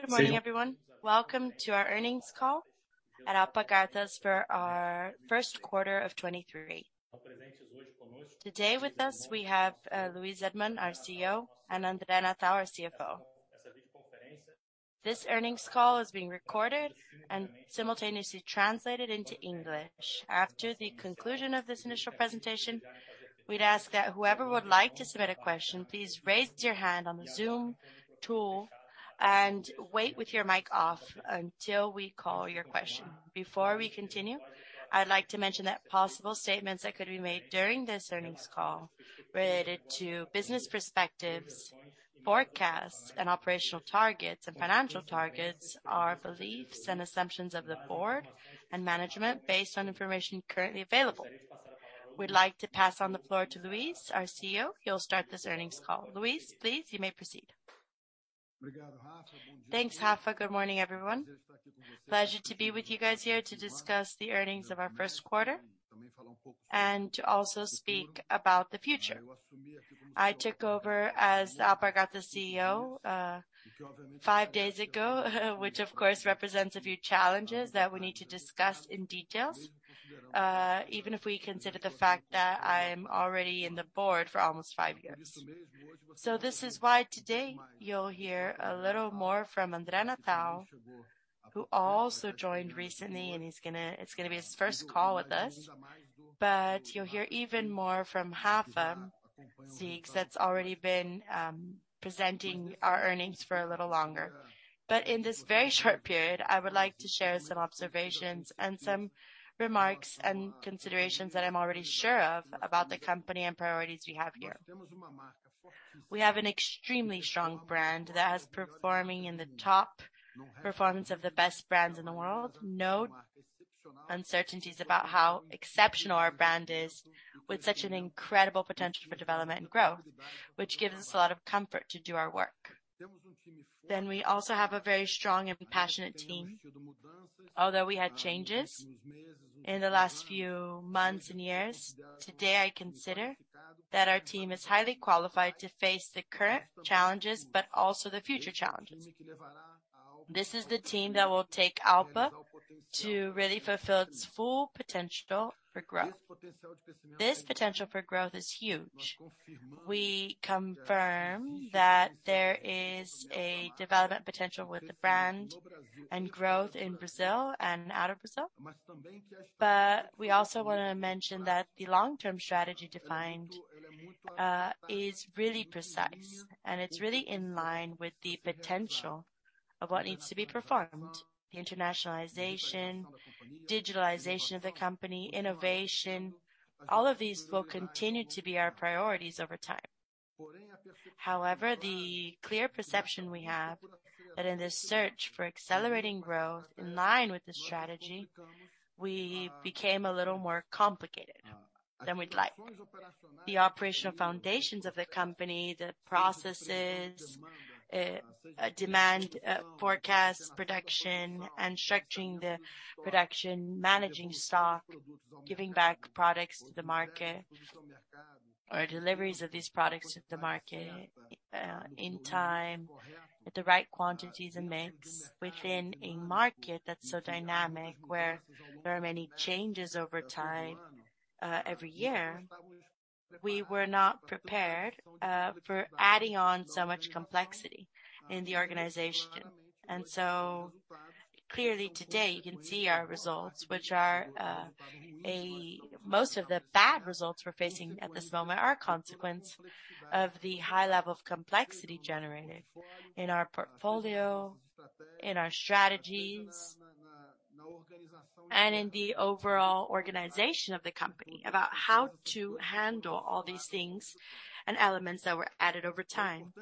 Good morning, everyone. Welcome to our earnings call at Alpargatas for our first quarter of 2023. Today with us we have Luiz Edmond, our CEO, and André Natal, our CFO. This earnings call is being recorded and simultaneously translated into English. After the conclusion of this initial presentation, we'd ask that whoever would like to submit a question, please raise your hand on the Zoom tool and wait with your mic off until we call your question. Before we continue, I'd like to mention that possible statements that could be made during this earnings call related to business perspectives, forecasts, and operational targets and financial targets are beliefs and assumptions of the board and management based on information currently available. We'd like to pass on the floor to Luiz, our CEO. He'll start this earnings call. Luiz, please, you may proceed. Thanks, Rafa. Good morning, everyone. Pleasure to be with you guys here to discuss the earnings of our first quarter and to also speak about the future. I took over as Alpargatas CEO, five days ago, which of course represents a few challenges that we need to discuss in details, even if we consider the fact that I'm already in the board for almost five years. This is why today you'll hear a little more from André Natal, who also joined recently, and it's gonna be his first call with us. You'll hear even more from Rafa, since that's already been presenting our earnings for a little longer. In this very short period, I would like to share some observations and some remarks and considerations that I'm already sure of about the company and priorities we have here. We have an extremely strong brand that has performing in the top performance of the best brands in the world. No uncertainties about how exceptional our brand is with such an incredible potential for development and growth, which gives us a lot of comfort to do our work. We also have a very strong and passionate team. Although we had changes in the last few months and years, today, I consider that our team is highly qualified to face the current challenges, but also the future challenges. This is the team that will take Alpa to really fulfill its full potential for growth. This potential for growth is huge. We confirm that there is a development potential with the brand and growth in Brazil and out of Brazil. We also wanna mention that the long-term strategy defined, is really precise, and it's really in line with the potential of what needs to be performed. The internationalization, digitalization of the company, innovation, all of these will continue to be our priorities over time. The clear perception we have that in this search for accelerating growth in line with the strategy, we became a little more complicated than we'd like. The operational foundations of the company, the processes, demand, forecast, production, and structuring the production, managing stock, giving back products to the market, or deliveries of these products to the market, in time at the right quantities and mix within a market that's so dynamic, where there are many changes over time, every year. We were not prepared for adding on so much complexity in the organization. Clearly today, you can see our results, which are most of the bad results we're facing at this moment are a consequence of the high level of complexity generated in our portfolio, in our strategies, and in the overall organization of the company about how to handle all these things and elements that were added over time.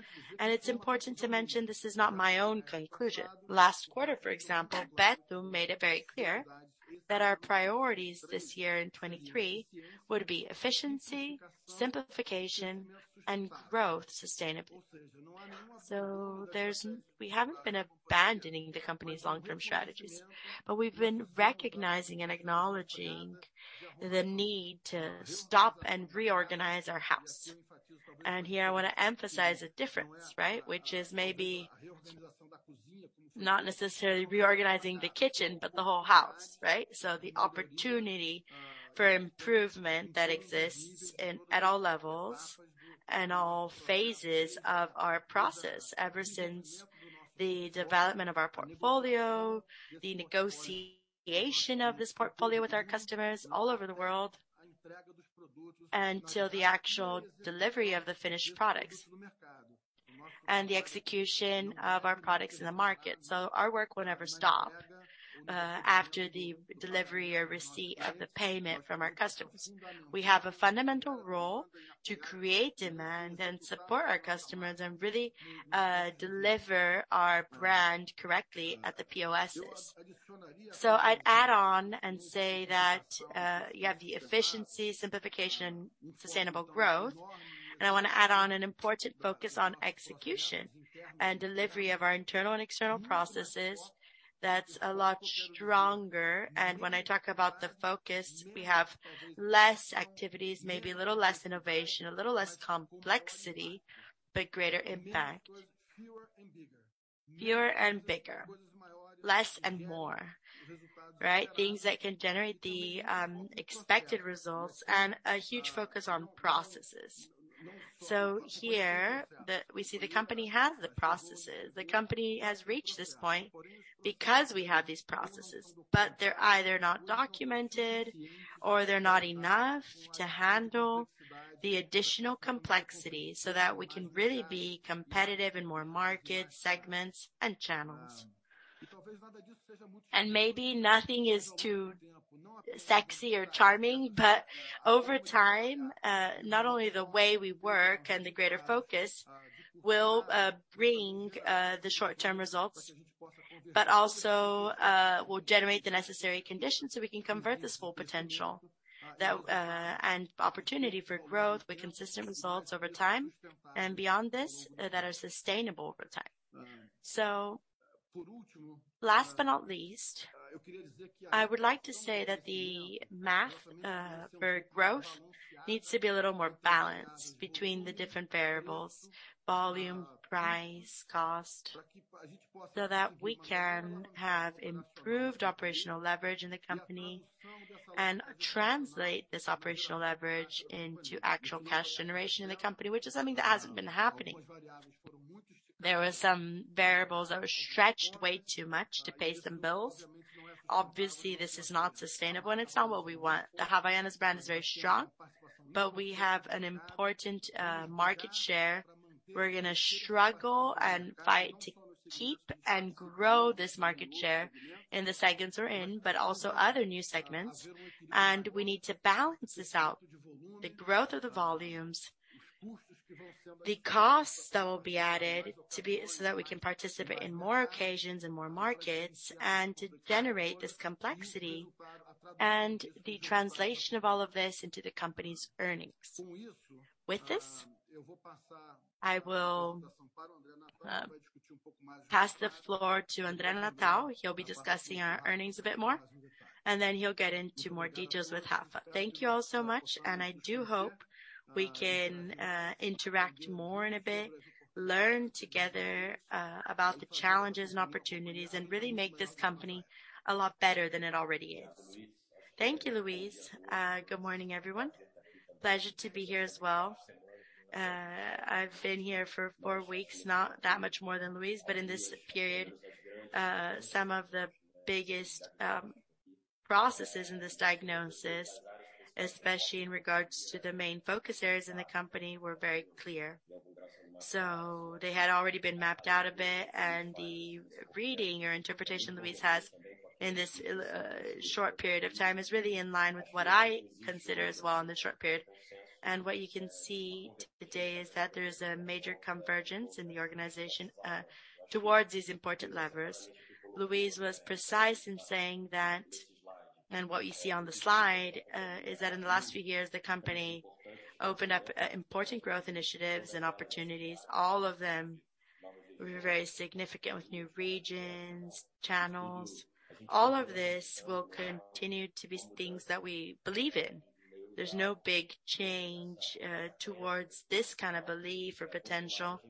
It's important to mention this is not my own conclusion. Last quarter, for example, Roberto made it very clear that our priorities this year in 2023 would be efficiency, simplification, and growth sustainably. We haven't been abandoning the company's long-term strategies, but we've been recognizing and acknowledging the need to stop and reorganize our house. Here I wanna emphasize a difference, right, which is maybe not necessarily reorganizing the kitchen, but the whole house, right? The opportunity for improvement that exists at all levels and all phases of our process, ever since the development of our portfolio, the negotiation of this portfolio with our customers all over the world, until the actual delivery of the finished products and the execution of our products in the market. Our work will never stop after the delivery or receipt of the payment from our customers. We have a fundamental role to create demand and support our customers and really deliver our brand correctly at the POSs. I'd add on and say that you have the efficiency, simplification, sustainable growth. I wanna add on an important focus on execution and delivery of our internal and external processes that's a lot stronger. When I talk about the focus, we have less activities, maybe a little less innovation, a little less complexity, but greater impact. Fewer and bigger. Fewer and bigger, less and more, right? Things that can generate the expected results and a huge focus on processes. Here we see the company has the processes. The company has reached this point because we have these processes, but they're either not documented or they're not enough to handle the additional complexity so that we can really be competitive in more market segments and channels. Maybe nothing is too sexy or charming, but over time, not only the way we work and the greater focus will bring the short-term results, but also will generate the necessary conditions, so we can convert this full potential that and opportunity for growth with consistent results over time, and beyond this, that are sustainable over time. Last but not least, I would like to say that the math for growth needs to be a little more balanced between the different variables: volume, price, cost, so that we can have improved operational leverage in the company and translate this operational leverage into actual cash generation in the company, which is something that hasn't been happening. There were some variables that were stretched way too much to pay some bills. Obviously, this is not sustainable, and it's not what we want. The Havaianas brand is very strong, but we have an important market share. We're gonna struggle and fight to keep and grow this market share in the segments we're in, but also other new segments. We need to balance this out. The growth of the volumes, the costs that will be added so that we can participate in more occasions and more markets, and to generate this complexity and the translation of all of this into the company's earnings. With this, I will pass the floor to André Natal. He'll be discussing our earnings a bit more, and then he'll get into more details with Rafa. Thank you all so much, and I do hope we can interact more in a bit, learn together about the challenges and opportunities, and really make this company a lot better than it already is. Thank you, Luiz. Good morning, everyone. Pleasure to be here as well. I've been here for four weeks, not that much more than Luiz, but in this period, some of the biggest processes in this diagnosis, especially in regards to the main focus areas in the company, were very clear. They had already been mapped out a bit, and the reading or interpretation Luiz has in this short period of time is really in line with what I consider as well in the short period. What you can see today is that there is a major convergence in the organization towards these important levers. Luiz was precise in saying that, and what you see on the slide is that in the last few years, the company opened up important growth initiatives and opportunities. All of them were very significant with new regions, channels. All of this will continue to be things that we believe in. There's no big change towards this kind of belief or potential.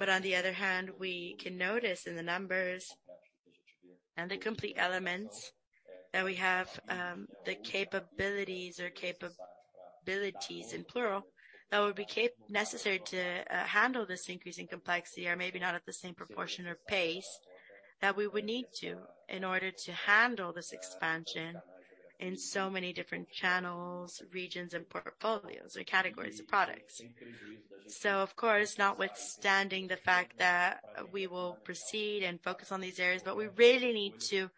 On the other hand, we can notice in the numbers and the complete elements that we have, the capabilities or capabilities in plural that would be necessary to handle this increase in complexity are maybe not at the same proportion or pace that we would need to in order to handle this expansion in so many different channels, regions and portfolios or categories of products. Of course, notwithstanding the fact that we will proceed and focus on these areas, but we really need to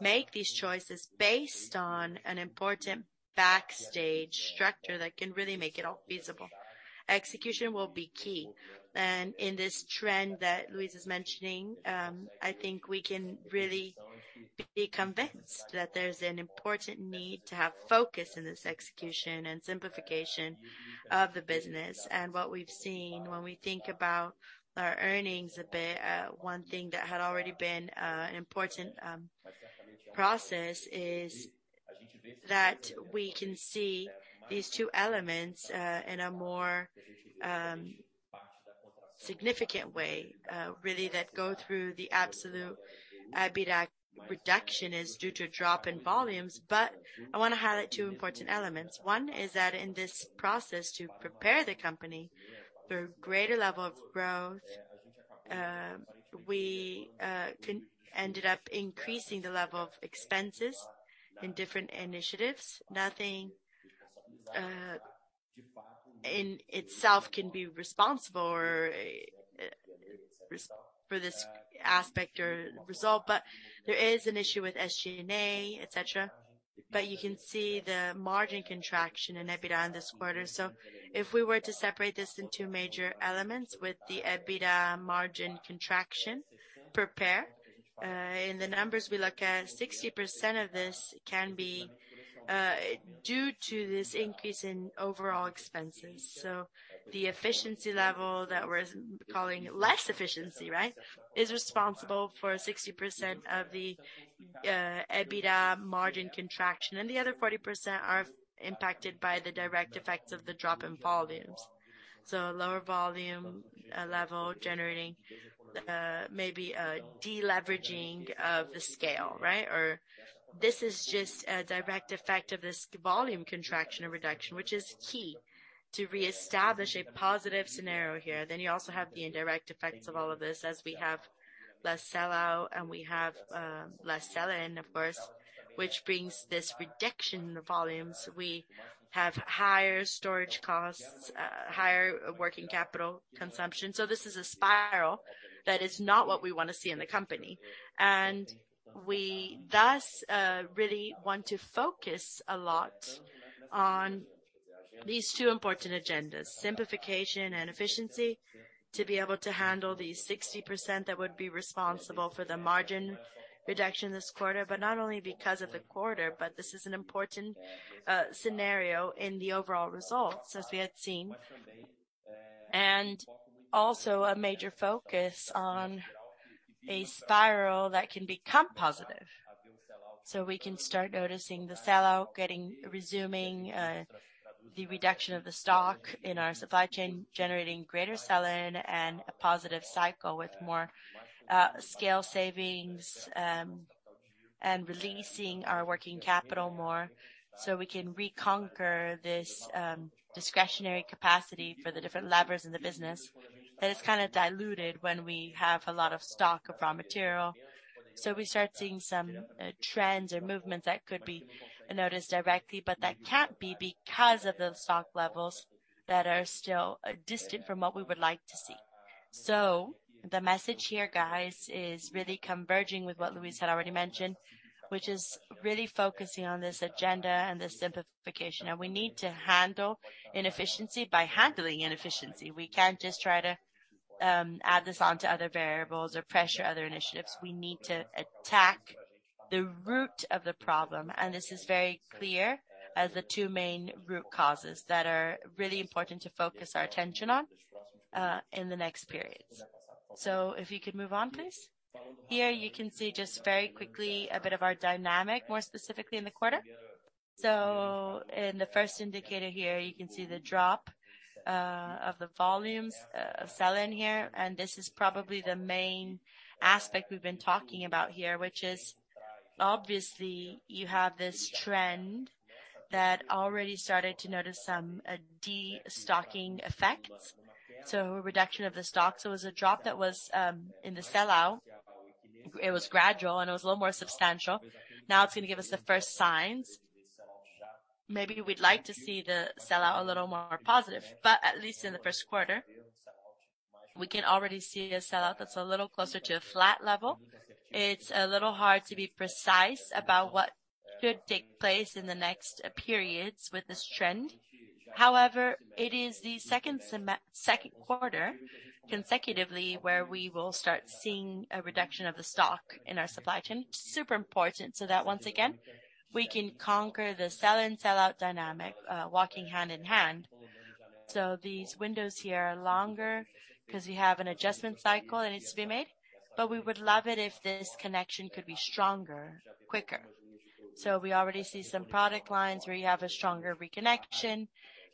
make these choices based on an important backstage structure that can really make it all feasible. Execution will be key. In this trend that Luiz is mentioning, I think we can really be convinced that there's an important need to have focus in this execution and simplification of the business. What we've seen when we think about our earnings a bit, one thing that had already been an important process is that we can see these two elements in a more significant way, really that go through the absolute EBITDA reduction is due to drop in volumes. I wanna highlight two important elements. One is that in this process to prepare the company for greater level of growth, we ended up increasing the level of expenses in different initiatives. Nothing in itself can be responsible or for this aspect or result, but there is an issue with SG&A, et cetera. You can see the margin contraction in EBITDA in this quarter. If we were to separate this into major elements with the EBITDA margin contraction per pair, in the numbers we look at, 60% of this can be due to this increase in overall expenses. The efficiency level that we're calling less efficiency, right, is responsible for 60% of the EBITDA margin contraction, and the other 40% are impacted by the direct effects of the drop in volumes. Lower volume level generating maybe a deleveraging of the scale, right? Or this is just a direct effect of this volume contraction or reduction, which is key to reestablish a positive scenario here. You also have the indirect effects of all of this as we have less sell-out and we have less sell-in, of course, which brings this reduction in the volumes. We have higher storage costs, higher working capital consumption. This is a spiral that is not what we wanna see in the company. We thus really want to focus a lot on these two important agendas, simplification and efficiency, to be able to handle the 60% that would be responsible for the margin reduction this quarter. Not only because of the quarter, but this is an important scenario in the overall results as we had seen. Also a major focus on a spiral that can become positive. We can start noticing the sell-out resuming the reduction of the stock in our supply chain, generating greater sell-in and a positive cycle with more scale savings, and releasing our working capital more so we can reconquer this discretionary capacity for the different levers in the business. That is kinda diluted when we have a lot of stock of raw material. We start seeing some trends or movements that could be noticed directly, but that can't be because of the stock levels that are still distant from what we would like to see. The message here, guys, is really converging with what Luiz had already mentioned, which is really focusing on this agenda and this simplification. We need to handle inefficiency by handling inefficiency. We can't just try to add this on to other variables or pressure other initiatives. We need to attack the root of the problem, and this is very clear as the two main root causes that are really important to focus our attention on in the next periods. If you could move on, please. Here you can see just very quickly a bit of our dynamic, more specifically in the quarter. In the first indicator here, you can see the drop of the volumes of sell-in here. This is probably the main aspect we've been talking about here, which is, obviously you have this trend that already started to notice some a destocking effect, so a reduction of the stock. It was a drop that was in the sell-out. It was gradual, and it was a little more substantial. Now it's gonna give us the first signs. Maybe we'd like to see the sell-out a little more positive, but at least in the first quarter, we can already see a sell-out that's a little closer to a flat level. It's a little hard to be precise about what could take place in the next periods with this trend. However, it is the second quarter consecutively where we will start seeing a reduction of the stock in our supply chain. Super important, so that once again, we can conquer the sell-in, sell-out dynamic, walking hand in hand. These windows here are longer 'cause we have an adjustment cycle that needs to be made, but we would love it if this connection could be stronger, quicker. We already see some product lines where you have a stronger reconnection.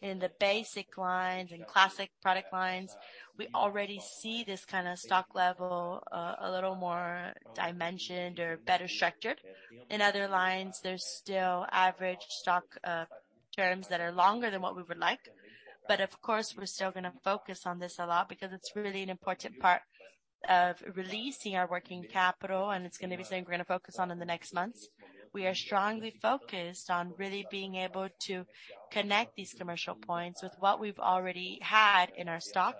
In the basic lines and classic product lines, we already see this kinda stock level, a little more dimensioned or better structured. In other lines, there's still average stock, terms that are longer than what we would like. Of course, we're still gonna focus on this a lot because it's really an important part of releasing our working capital, and it's gonna be something we're gonna focus on in the next months. We are strongly focused on really being able to connect these commercial points with what we've already had in our stock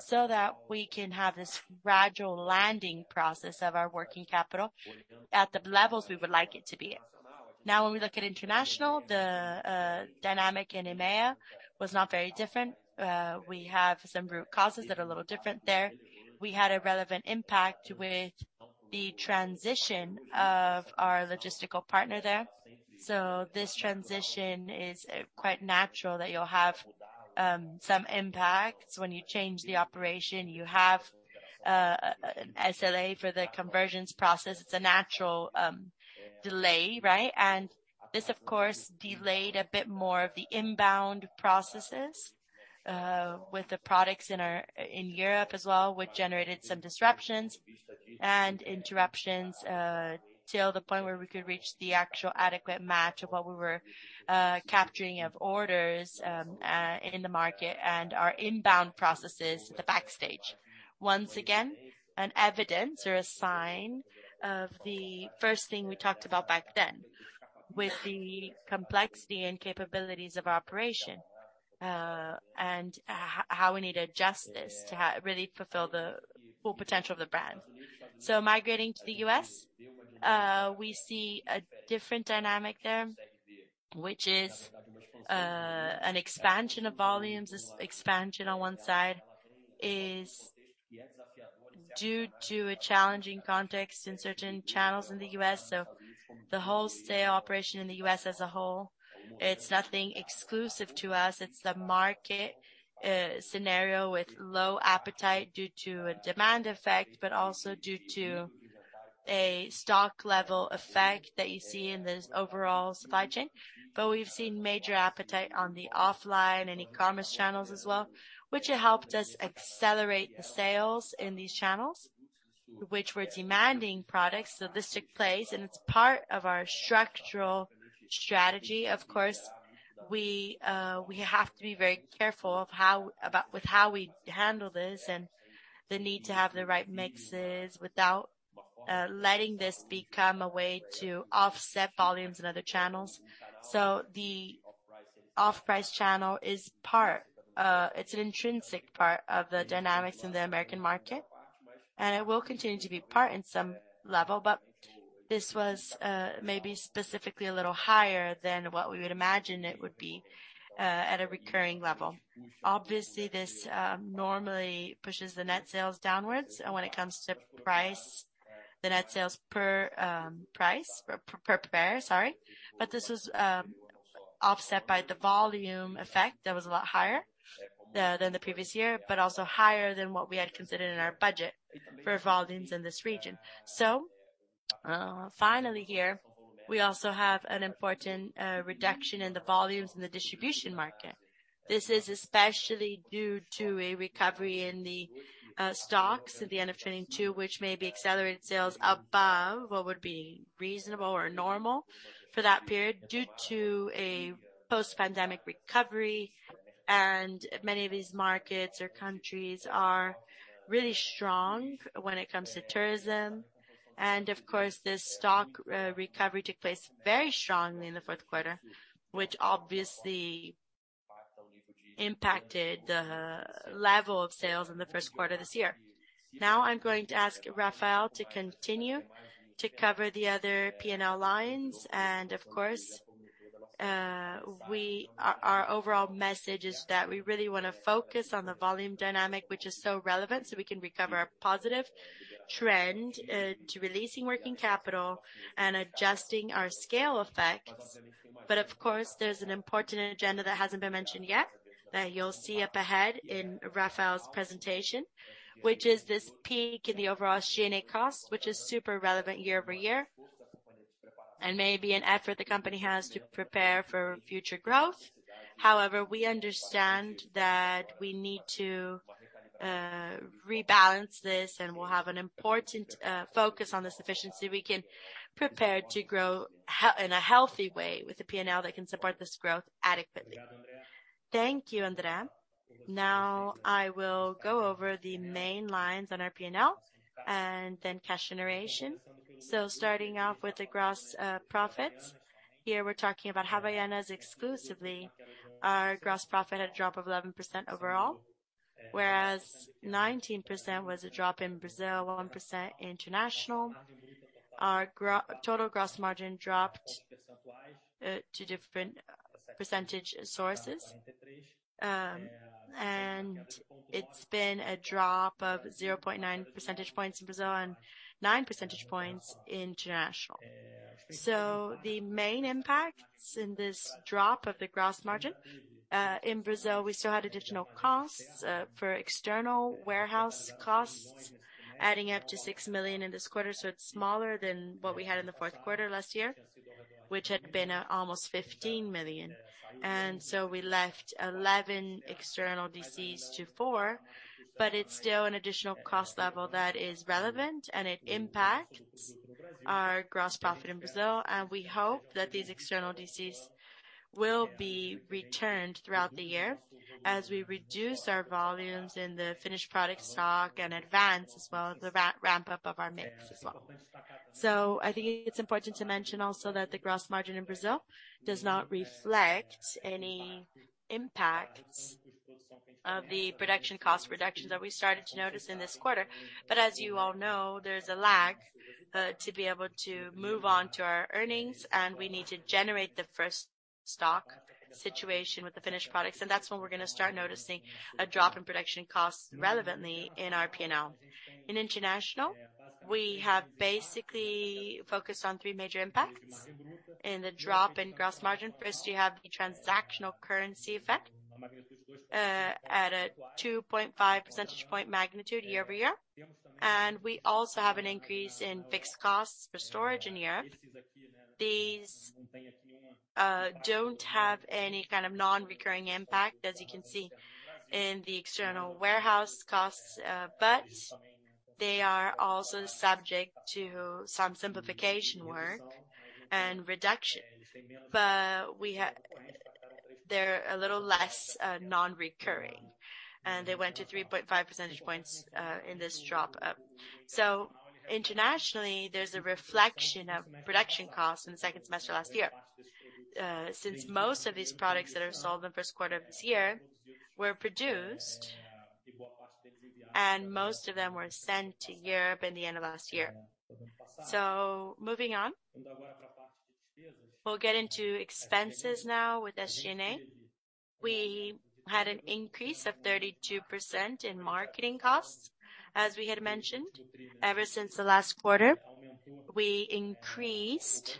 so that we can have this gradual landing process of our working capital at the levels we would like it to be. Now when we look at international, the dynamic in EMEA was not very different. We have some root causes that are a little different there. We had a relevant impact with the transition of our logistical partner there. This transition is quite natural that you'll have some impacts. When you change the operation, you have an SLA for the conversions process. It's a natural delay, right? This, of course, delayed a bit more of the inbound processes with the products in Europe as well, which generated some disruptions and interruptions till the point where we could reach the actual adequate match of what we were capturing of orders in the market and our inbound processes at the backstage. Once again, an evidence or a sign of the first thing we talked about back then with the complexity and capabilities of our operation, and how we need to adjust this to really fulfill the full potential of the brand. Migrating to the U.S., we see a different dynamic there, which is an expansion of volumes. This expansion on one side is due to a challenging context in certain channels in the U.S. The wholesale operation in the U.S. as a whole, it's nothing exclusive to us. It's the market scenario with low appetite due to a demand effect, but also due to a stock level effect that you see in this overall supply chain. We've seen major appetite on the offline and e-commerce channels as well, which have helped us accelerate the sales in these channels, which were demanding products. This took place, and it's part of our structural strategy. Of course, we have to be very careful of how, about, with how we handle this and the need to have the right mixes without letting this become a way to offset volumes in other channels. The off-price channel is part, it's an intrinsic part of the dynamics in the American market, and it will continue to be part in some level. This was maybe specifically a little higher than what we would imagine it would be at a recurring level. Obviously, this normally pushes the net sales downwards. When it comes to price, the net sales per price, per pair, sorry. This was offset by the volume effect that was a lot higher than the previous year, but also higher than what we had considered in our budget for volumes in this region. Finally here, we also have an important reduction in the volumes in the distribution market. This is especially due to a recovery in the stocks at the end of 2022, which may be accelerated sales above what would be reasonable or normal for that period due to a post-pandemic recovery. Many of these markets or countries are really strong when it comes to tourism. Of course, this stock recovery took place very strongly in the fourth quarter, which obviously impacted the level of sales in the first quarter this year. Now I'm going to ask Rafael to continue to cover the other P&L lines. Of course, our overall message is that we really wanna focus on the volume dynamic, which is so relevant, so we can recover a positive trend to releasing working capital and adjusting our scale effects. Of course, there's an important agenda that hasn't been mentioned yet that you'll see up ahead in Rafael's presentation, which is this peak in the overall G&A cost, which is super relevant year-over-year, and may be an effort the company has to prepare for future growth. We understand that we need to rebalance this, and we'll have an important focus on the sufficiency we can prepare to grow in a healthy way with a P&L that can support this growth adequately. Thank you, André. Now I will go over the main lines on our P&L and then cash generation. Starting off with the gross profits. Here we're talking about Havaianas exclusively. Our gross profit had a drop of 11% overall, whereas 19% was a drop in Brazil, 1% international. Our total gross margin dropped to different percentage sources. It's been a drop of 0.9 percentage points in Brazil and 9 percentage points international. The main impacts in this drop of the gross margin in Brazil, we still had additional costs for external warehouse costs, adding up to 6 million in this quarter, so it's smaller than what we had in the fourth quarter last year, which had been almost 15 million. We left 11 external DCs to four, but it's still an additional cost level that is relevant, and it impacts our gross profit in Brazil. We hope that these external DCs will be returned throughout the year as we reduce our volumes in the finished product stock and advance as well the ramp up of our mix as well. I think it's important to mention also that the gross margin in Brazil does not reflect any impacts of the production cost reductions that we started to notice in this quarter. As you all know, there's a lag to be able to move on to our earnings, and we need to generate the first stock situation with the finished products. That's when we're gonna start noticing a drop in production costs relevantly in our P&L. In international, we have basically focused on three major impacts. In the drop in gross margin, first, you have the transactional currency effect at a 2.5 percentage point magnitude year-over-year. We also have an increase in fixed costs for storage in Europe. These don't have any kind of non-recurring impact, as you can see in the external warehouse costs, but they are also subject to some simplification work and reduction. They're a little less non-recurring, and they went to 3.5 percentage points in this drop. Internationally, there's a reflection of production costs in the second semester last year. Since most of these products that are sold in the first quarter of this year were produced, and most of them were sent to Europe in the end of last year. Moving on. We'll get into expenses now with SG&A. We had an increase of 32% in marketing costs, as we had mentioned ever since the last quarter. We increased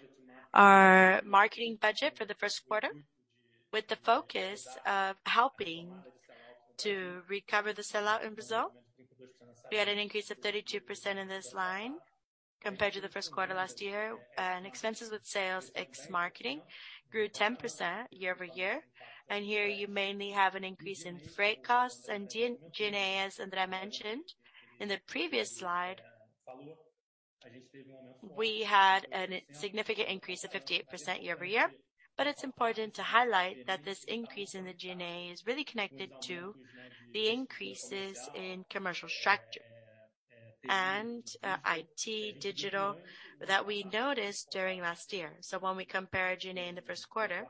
our marketing budget for the first quarter with the focus of helping to recover the sell-out in Brazil. We had an increase of 32% in this line compared to the first quarter last year. Expenses with sales ex marketing grew 10% year-over-year. Here you mainly have an increase in freight costs and G&As that I mentioned. In the previous slide, we had an significant increase of 58% year-over-year. It's important to highlight that this increase in the G&A is really connected to the increases in commercial structure and IT digital that we noticed during last year. When we compare G&A in the first quarter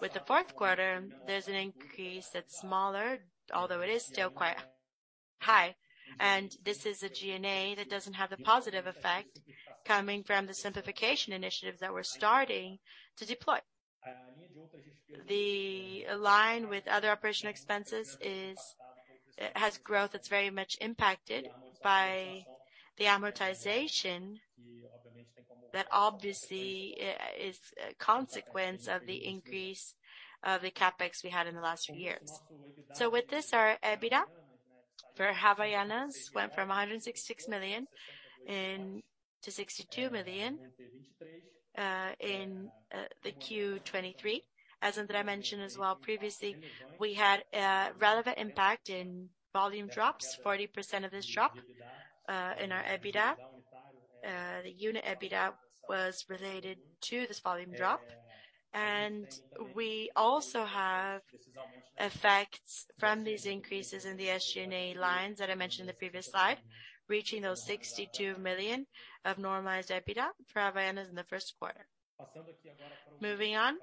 with the fourth quarter, there's an increase that's smaller, although it is still quite high. This is a G&A that doesn't have the positive effect coming from the simplification initiatives that we're starting to deploy. The line with other operational expenses is, it has growth that's very much impacted by the amortization. That obviously is a consequence of the increase of the CapEx we had in the last few years. With this, our EBITDA for Havaianas went from 166 million and to 62 million in the Q23. As André mentioned as well previously, we had a relevant impact in volume drops, 40% of this drop in our EBITDA. The unit EBITDA was related to this volume drop. We also have effects from these increases in the SG&A lines that I mentioned in the previous slide, reaching those 62 million of normalized EBITDA for Havaianas in the first quarter. Moving on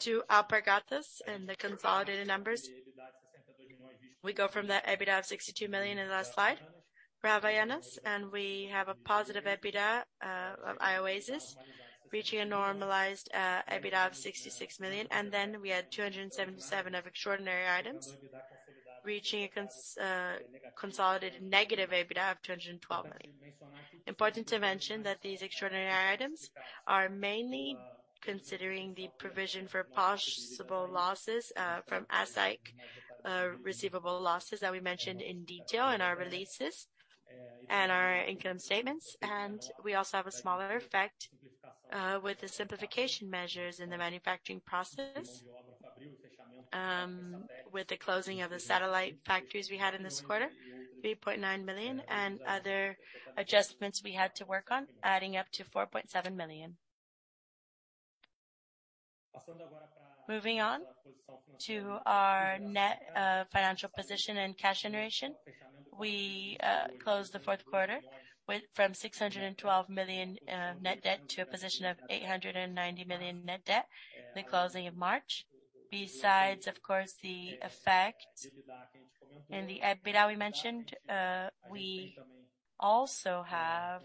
to Alpargatas and the consolidated numbers. We go from the EBITDA of 62 million in the last slide for Havaianas. We have a positive EBITDA of Ioasys reaching a normalized EBITDA of 66 million. Then we had 277 million of extraordinary items, reaching a consolidated negative EBITDA of 212 million. Important to mention that these extraordinary items are mainly considering the provision for possible losses from [Azaleia] receivable losses that we mentioned in detail in our releases and our income statements. We also have a smaller effect with the simplification measures in the manufacturing process, with the closing of the satellite factories we had in this quarter, 3.9 million. Other adjustments we had to work on adding up to 4.7 million. Moving on to our net financial position and cash generation. We closed the fourth quarter with from 612 million net debt to a position of 890 million net debt in the closing of March. Of course, the effect in the EBITDA we mentioned, we also have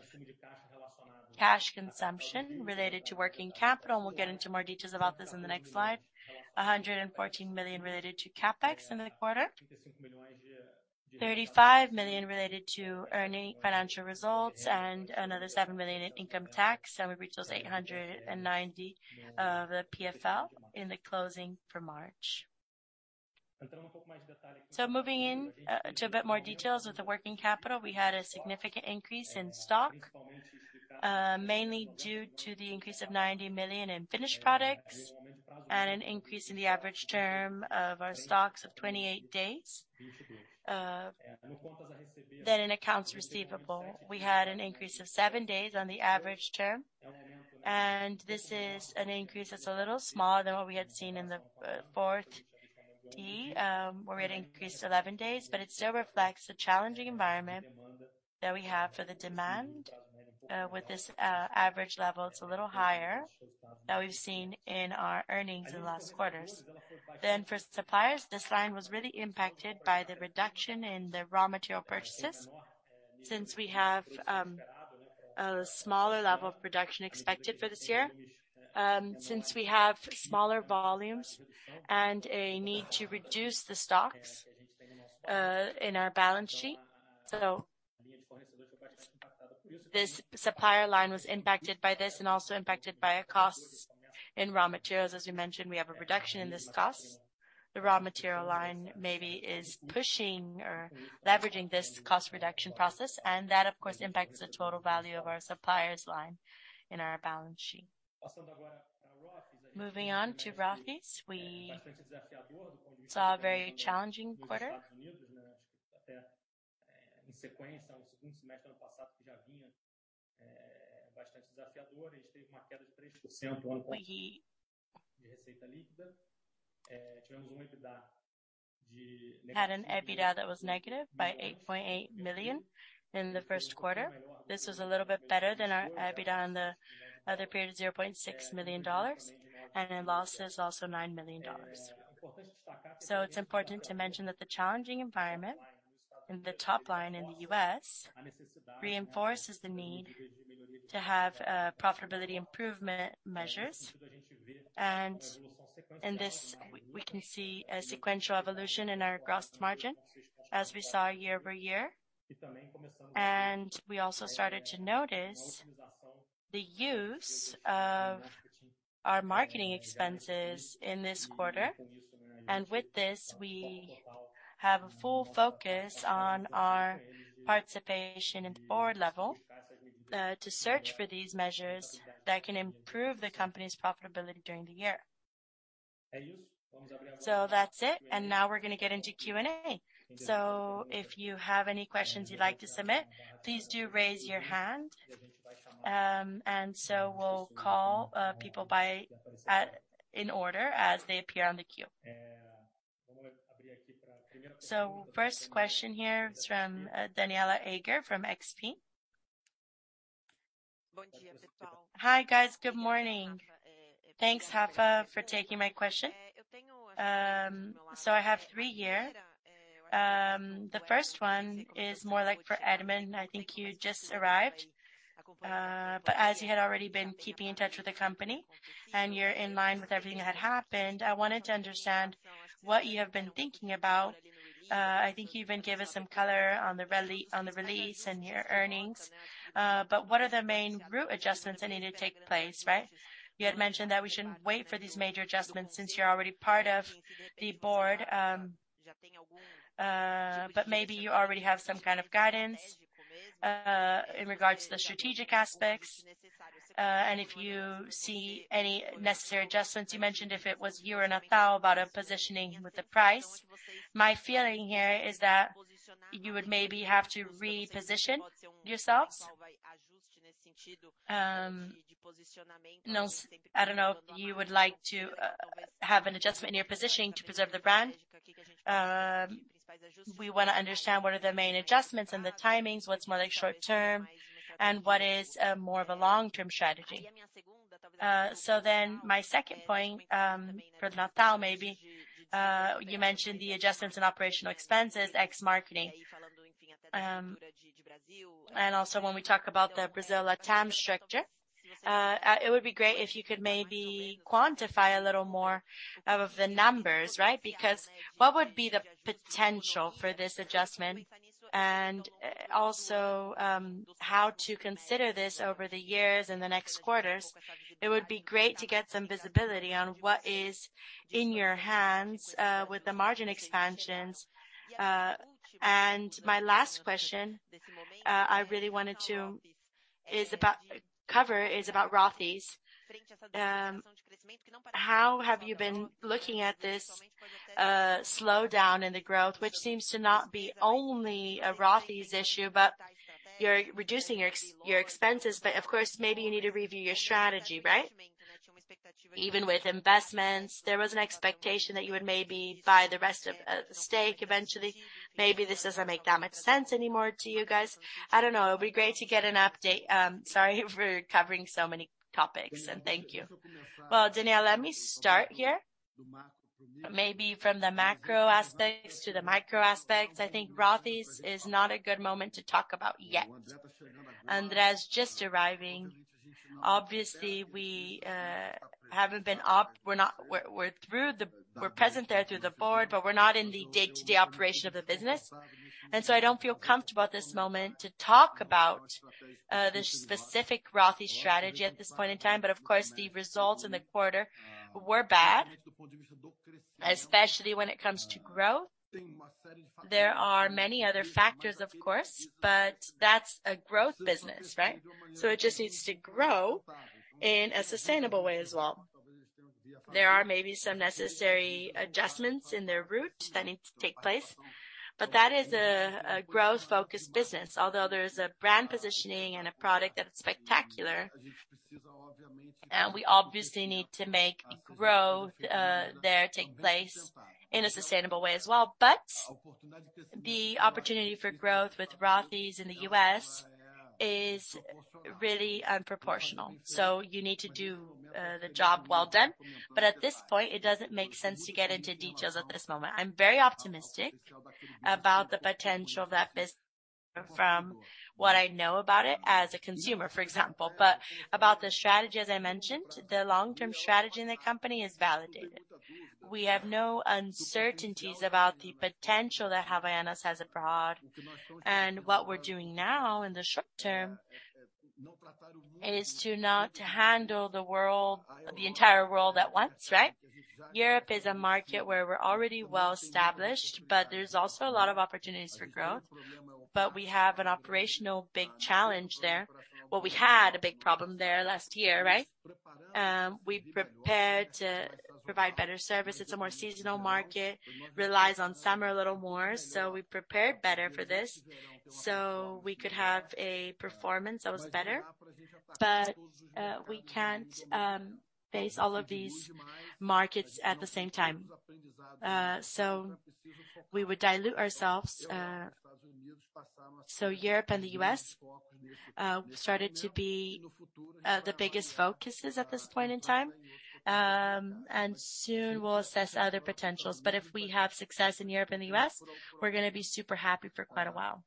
cash consumption related to working capital, and we'll get into more details about this in the next slide. 114 million related to CapEx into the quarter. 35 million related to earning financial results and another 7 million in income tax, and we reached those 890 million of the PFL in the closing for March. Moving in to a bit more details with the working capital. We had a significant increase in stock, mainly due to the increase of 90 million in finished products and an increase in the average term of our stocks of 28 days, than in accounts receivable. We had an increase of seven days on the average term, and this is an increase that's a little smaller than what we had seen in the fourth D, where we had increased 11 days. It still reflects the challenging environment that we have for the demand, with this average level, it's a little higher than we've seen in our earnings in the last quarters. For suppliers, this line was really impacted by the reduction in the raw material purchases since we have a smaller level of production expected for this year. Since we have smaller volumes and a need to reduce the stocks in our balance sheet. This supplier line was impacted by this and also impacted by our costs in raw materials. As we mentioned, we have a reduction in this cost. The raw material line maybe is pushing or leveraging this cost reduction process, and that of course impacts the total value of our suppliers line in our balance sheet. Moving on to Rothy's. We saw a very challenging quarter. We had an EBITDA that was negative by 8.8 million in the first quarter. This was a little bit better than our EBITDA in the other period, $0.6 million, and in losses, also $9 million. It's important to mention that the challenging environment in the top line in the U.S. reinforces the need to have profitability improvement measures. In this, we can see a sequential evolution in our gross margin as we saw year-over-year. We also started to notice the use of our marketing expenses in this quarter. With this, we have a full focus on our participation at the board level, to search for these measures that can improve the company's profitability during the year. That's it. Now we're gonna get into Q&A. If you have any questions you'd like to submit, please do raise your hand. We'll call people in order as they appear on the queue. First question here is from Danniela Eiger from XP. Hi, guys. Good morning. Thanks, Rafa, for taking my question. I have three here. The first one is more like for Edmond. I think you just arrived, as you had already been keeping in touch with the company and you're in line with everything that had happened, I wanted to understand what you have been thinking about. I think you even gave us some color on the release and your earnings. What are the main group adjustments that need to take place, right? You had mentioned that we shouldn't wait for these major adjustments since you're already part of the board. Maybe you already have some kind of guidance in regards to the strategic aspects. If you see any necessary adjustments. You mentioned if it was you or Natal about a positioning with the price. My feeling here is that you would maybe have to reposition yourselves. I don't know if you would like to have an adjustment in your positioning to preserve the brand. We wanna understand what are the main adjustments and the timings, what's more like short term and what is more of a long-term strategy. My second point, for Natal maybe, you mentioned the adjustments in operational expenses, ex marketing. Also when we talk about the Brazil Latam structure, it would be great if you could maybe quantify a little more of the numbers, right? Because what would be the potential for this adjustment and also, how to consider this over the years and the next quarters. It would be great to get some visibility on what is in your hands with the margin expansions. My last question, I really wanted to cover is about Rothy's. How have you been looking at this slowdown in the growth, which seems to not be only a Rothy's issue, but you're reducing your expenses. Of course, maybe you need to review your strategy, right? Even with investments, there was an expectation that you would maybe buy the rest of the stake eventually. Maybe this doesn't make that much sense anymore to you guys. I don't know. It would be great to get an update. Sorry for covering so many topics, and thank you. Danniela Eiger, let me start here. Maybe from the macro aspects to the micro aspects. I think Rothy's is not a good moment to talk about yet. Andrea's just arriving. Obviously, we're present there through the board, but we're not in the day-to-day operation of the business. I don't feel comfortable at this moment to talk about the specific Rothy's strategy at this point in time. Of course, the results in the quarter were bad, especially when it comes to growth. There are many other factors, of course, but that's a growth business, right? It just needs to grow in a sustainable way as well. There are maybe some necessary adjustments in their route that need to take place, but that is a growth-focused business. Although there is a brand positioning and a product that is spectacular, and we obviously need to make growth there take place in a sustainable way as well. The opportunity for growth with Rothy's in the U.S. is really unproportional. You need to do the job well done. At this point, it doesn't make sense to get into details at this moment. I'm very optimistic about the potential of that business from what I know about it as a consumer, for example. About the strategy, as I mentioned, the long-term strategy in the company is validated. We have no uncertainties about the potential that Havaianas has abroad. What we're doing now in the short term is to not handle the world, the entire world at once, right? Europe is a market where we're already well established, but there's also a lot of opportunities for growth. We have an operational big challenge there. Well, we had a big problem there last year, right? We prepared to provide better service. It's a more seasonal market, relies on summer a little more. We prepared better for this. We could have a performance that was better. We can't face all of these markets at the same time. We would dilute ourselves. Europe and the U.S. started to be the biggest focuses at this point in time. Soon we'll assess other potentials. If we have success in Europe and the U.S., we're gonna be super happy for quite a while.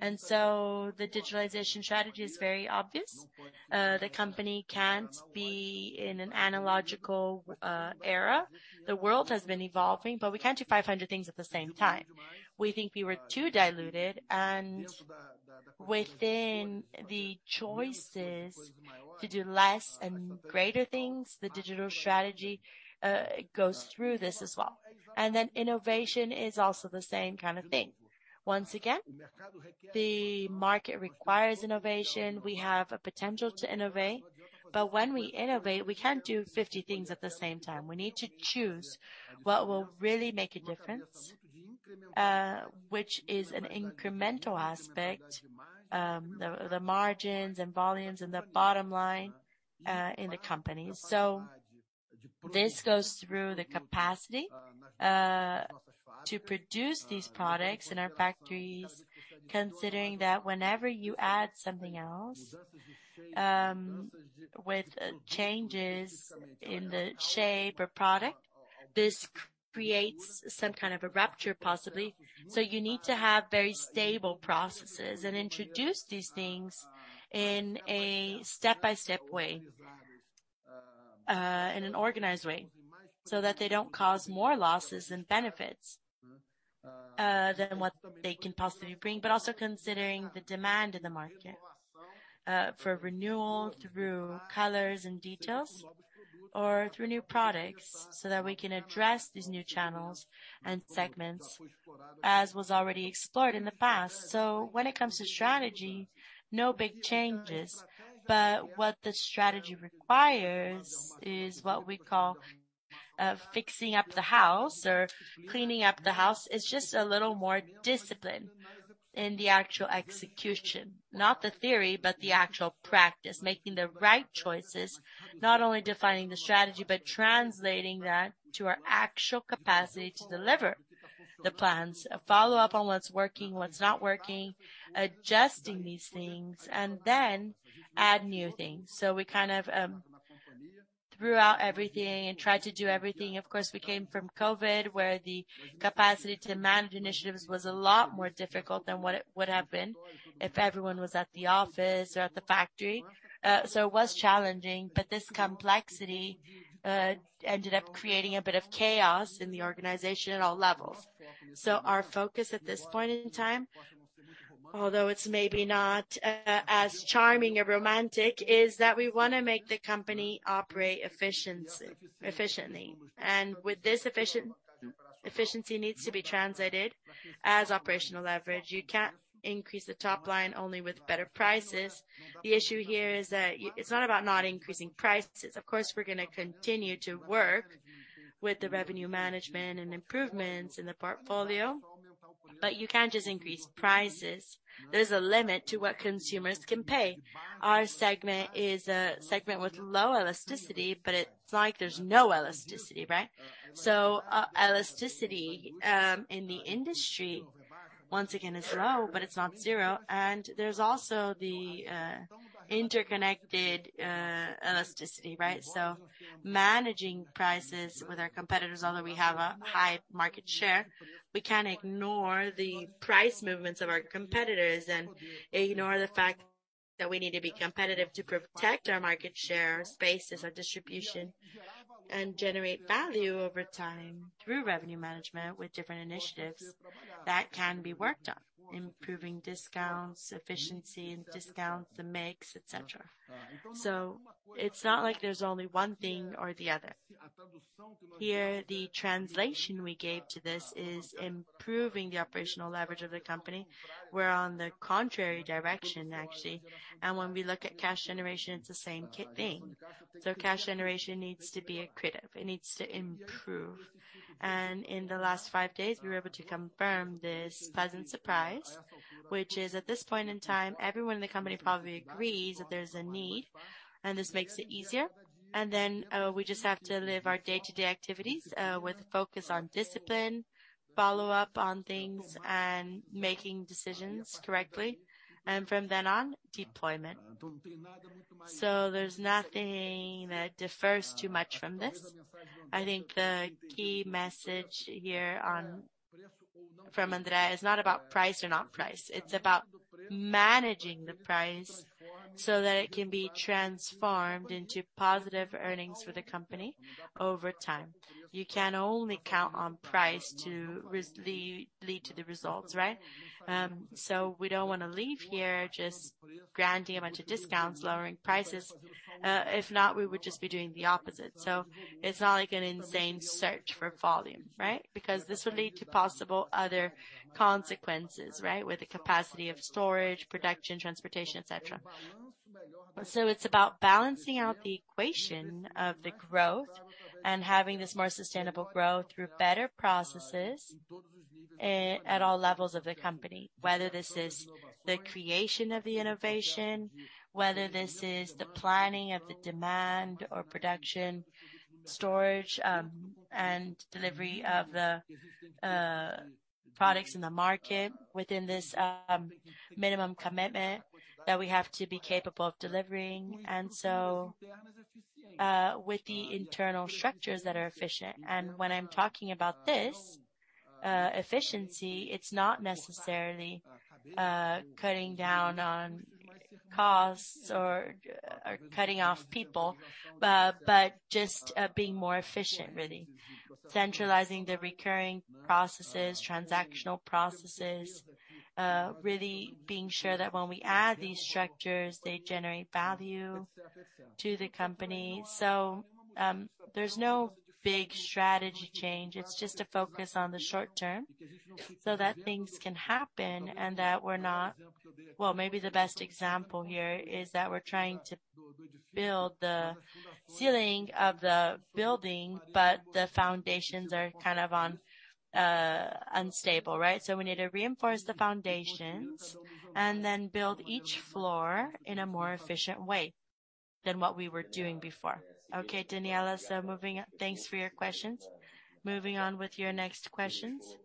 The digitalization strategy is very obvious. The company can't be in an analogical era. The world has been evolving, but we can't do 500 things at the same time. We think we were too diluted. Within the choices to do less and greater things, the digital strategy goes through this as well. Innovation is also the same kind of thing. Once again, the market requires innovation. We have a potential to innovate, but when we innovate, we can't do 50 things at the same time. We need to choose what will really make a difference, which is an incremental aspect, the margins and volumes and the bottom line in the company. This goes through the capacity to produce these products in our factories, considering that whenever you add something else, with changes in the shape or product, this creates some kind of a rupture, possibly. You need to have very stable processes and introduce these things in a step-by-step way, in an organized way, so that they don't cause more losses than benefits than what they can possibly bring. Also considering the demand in the market for renewal through colors and details or through new products, so that we can address these new channels and segments as was already explored in the past. When it comes to strategy, no big changes. What the strategy requires is what we call fixing up the house or cleaning up the house. It's just a little more discipline in the actual execution. Not the theory, but the actual practice. Making the right choices, not only defining the strategy, but translating that to our actual capacity to deliver the plans. Follow up on what's working, what's not working, adjusting these things, and then add new things. We kind of threw out everything and tried to do everything. Of course, we came from COVID, where the capacity to manage initiatives was a lot more difficult than what it would have been if everyone was at the office or at the factory. It was challenging, but this complexity ended up creating a bit of chaos in the organization at all levels. Our focus at this point in time, although it's maybe not as charming or romantic, is that we wanna make the company operate efficiently. With this efficiency needs to be translated as operational leverage. You can't increase the top line only with better prices. The issue here is that it's not about not increasing prices. Of course, we're gonna continue to work with the Revenue Growth Management and improvements in the portfolio, but you can't just increase prices. There's a limit to what consumers can pay. Our segment is a segment with low elasticity, but it's not like there's no elasticity, right? E-elasticity, in the industry, once again, is low, but it's not zero. There's also the interconnected elasticity, right? Managing prices with our competitors, although we have a high market share, we can't ignore the price movements of our competitors and ignore the fact that we need to be competitive to protect our market share, our spaces, our distribution, and generate value over time through Revenue Growth Management with different initiatives that can be worked on. Improving discounts, efficiency and discounts, the mix, et cetera. It's not like there's only one thing or the other. Here, the translation we gave to this is improving the operational leverage of the company. We're on the contrary direction, actually. When we look at cash generation, it's the same thing. Cash generation needs to be accretive, it needs to improve. In the last five days, we were able to confirm this pleasant surprise, which is, at this point in time, everyone in the company probably agrees that there's a need, and this makes it easier. Then, we just have to live our day-to-day activities, with focus on discipline, follow up on things, and making decisions correctly. From then on, deployment. There's nothing that differs too much from this. I think the key message here from André is not about price or not price. It's about managing the price so that it can be transformed into positive earnings for the company over time. You can only count on price to lead to the results, right? We don't wanna leave here just granting a bunch of discounts, lowering prices. If not, we would just be doing the opposite. It's not like an insane search for volume, right? Because this will lead to possible other consequences, right? With the capacity of storage, production, transportation, et cetera. It's about balancing out the equation of the growth and having this more sustainable growth through better processes at all levels of the company. Whether this is the creation of the innovation, whether this is the planning of the demand or production, storage, and delivery of the products in the market within this minimum commitment that we have to be capable of delivering. With the internal structures that are efficient. When I'm talking about this efficiency, it's not necessarily cutting down on costs or cutting off people, but just being more efficient, really. Centralizing the recurring processes, transactional processes, really being sure that when we add these structures, they generate value to the company. There's no big strategy change. It's just a focus on the short term so that things can happen and that we're not... Well, maybe the best example here is that we're trying to build the ceiling of the building, but the foundations are kind of on unstable, right? We need to reinforce the foundations and then build each floor in a more efficient way than what we were doing before. Okay, Danniela, moving on. Thanks for your questions. Moving on with your next questions.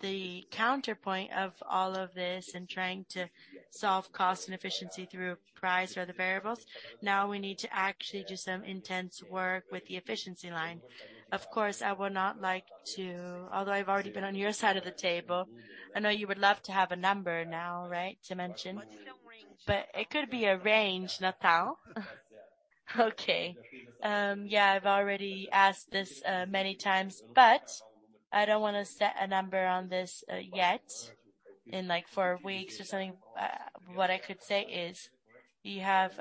The counterpoint of all of this and trying to solve cost and efficiency through price or the variables. We need to actually do some intense work with the efficiency line. Of course, Although I've already been on your side of the table, I know you would love to have a number now, right? To mention. ... still range. It could be a range, Natal. Okay. Yeah, I've already asked this many times, but I don't wanna set a number on this yet in like four weeks or something. What I could say is you have,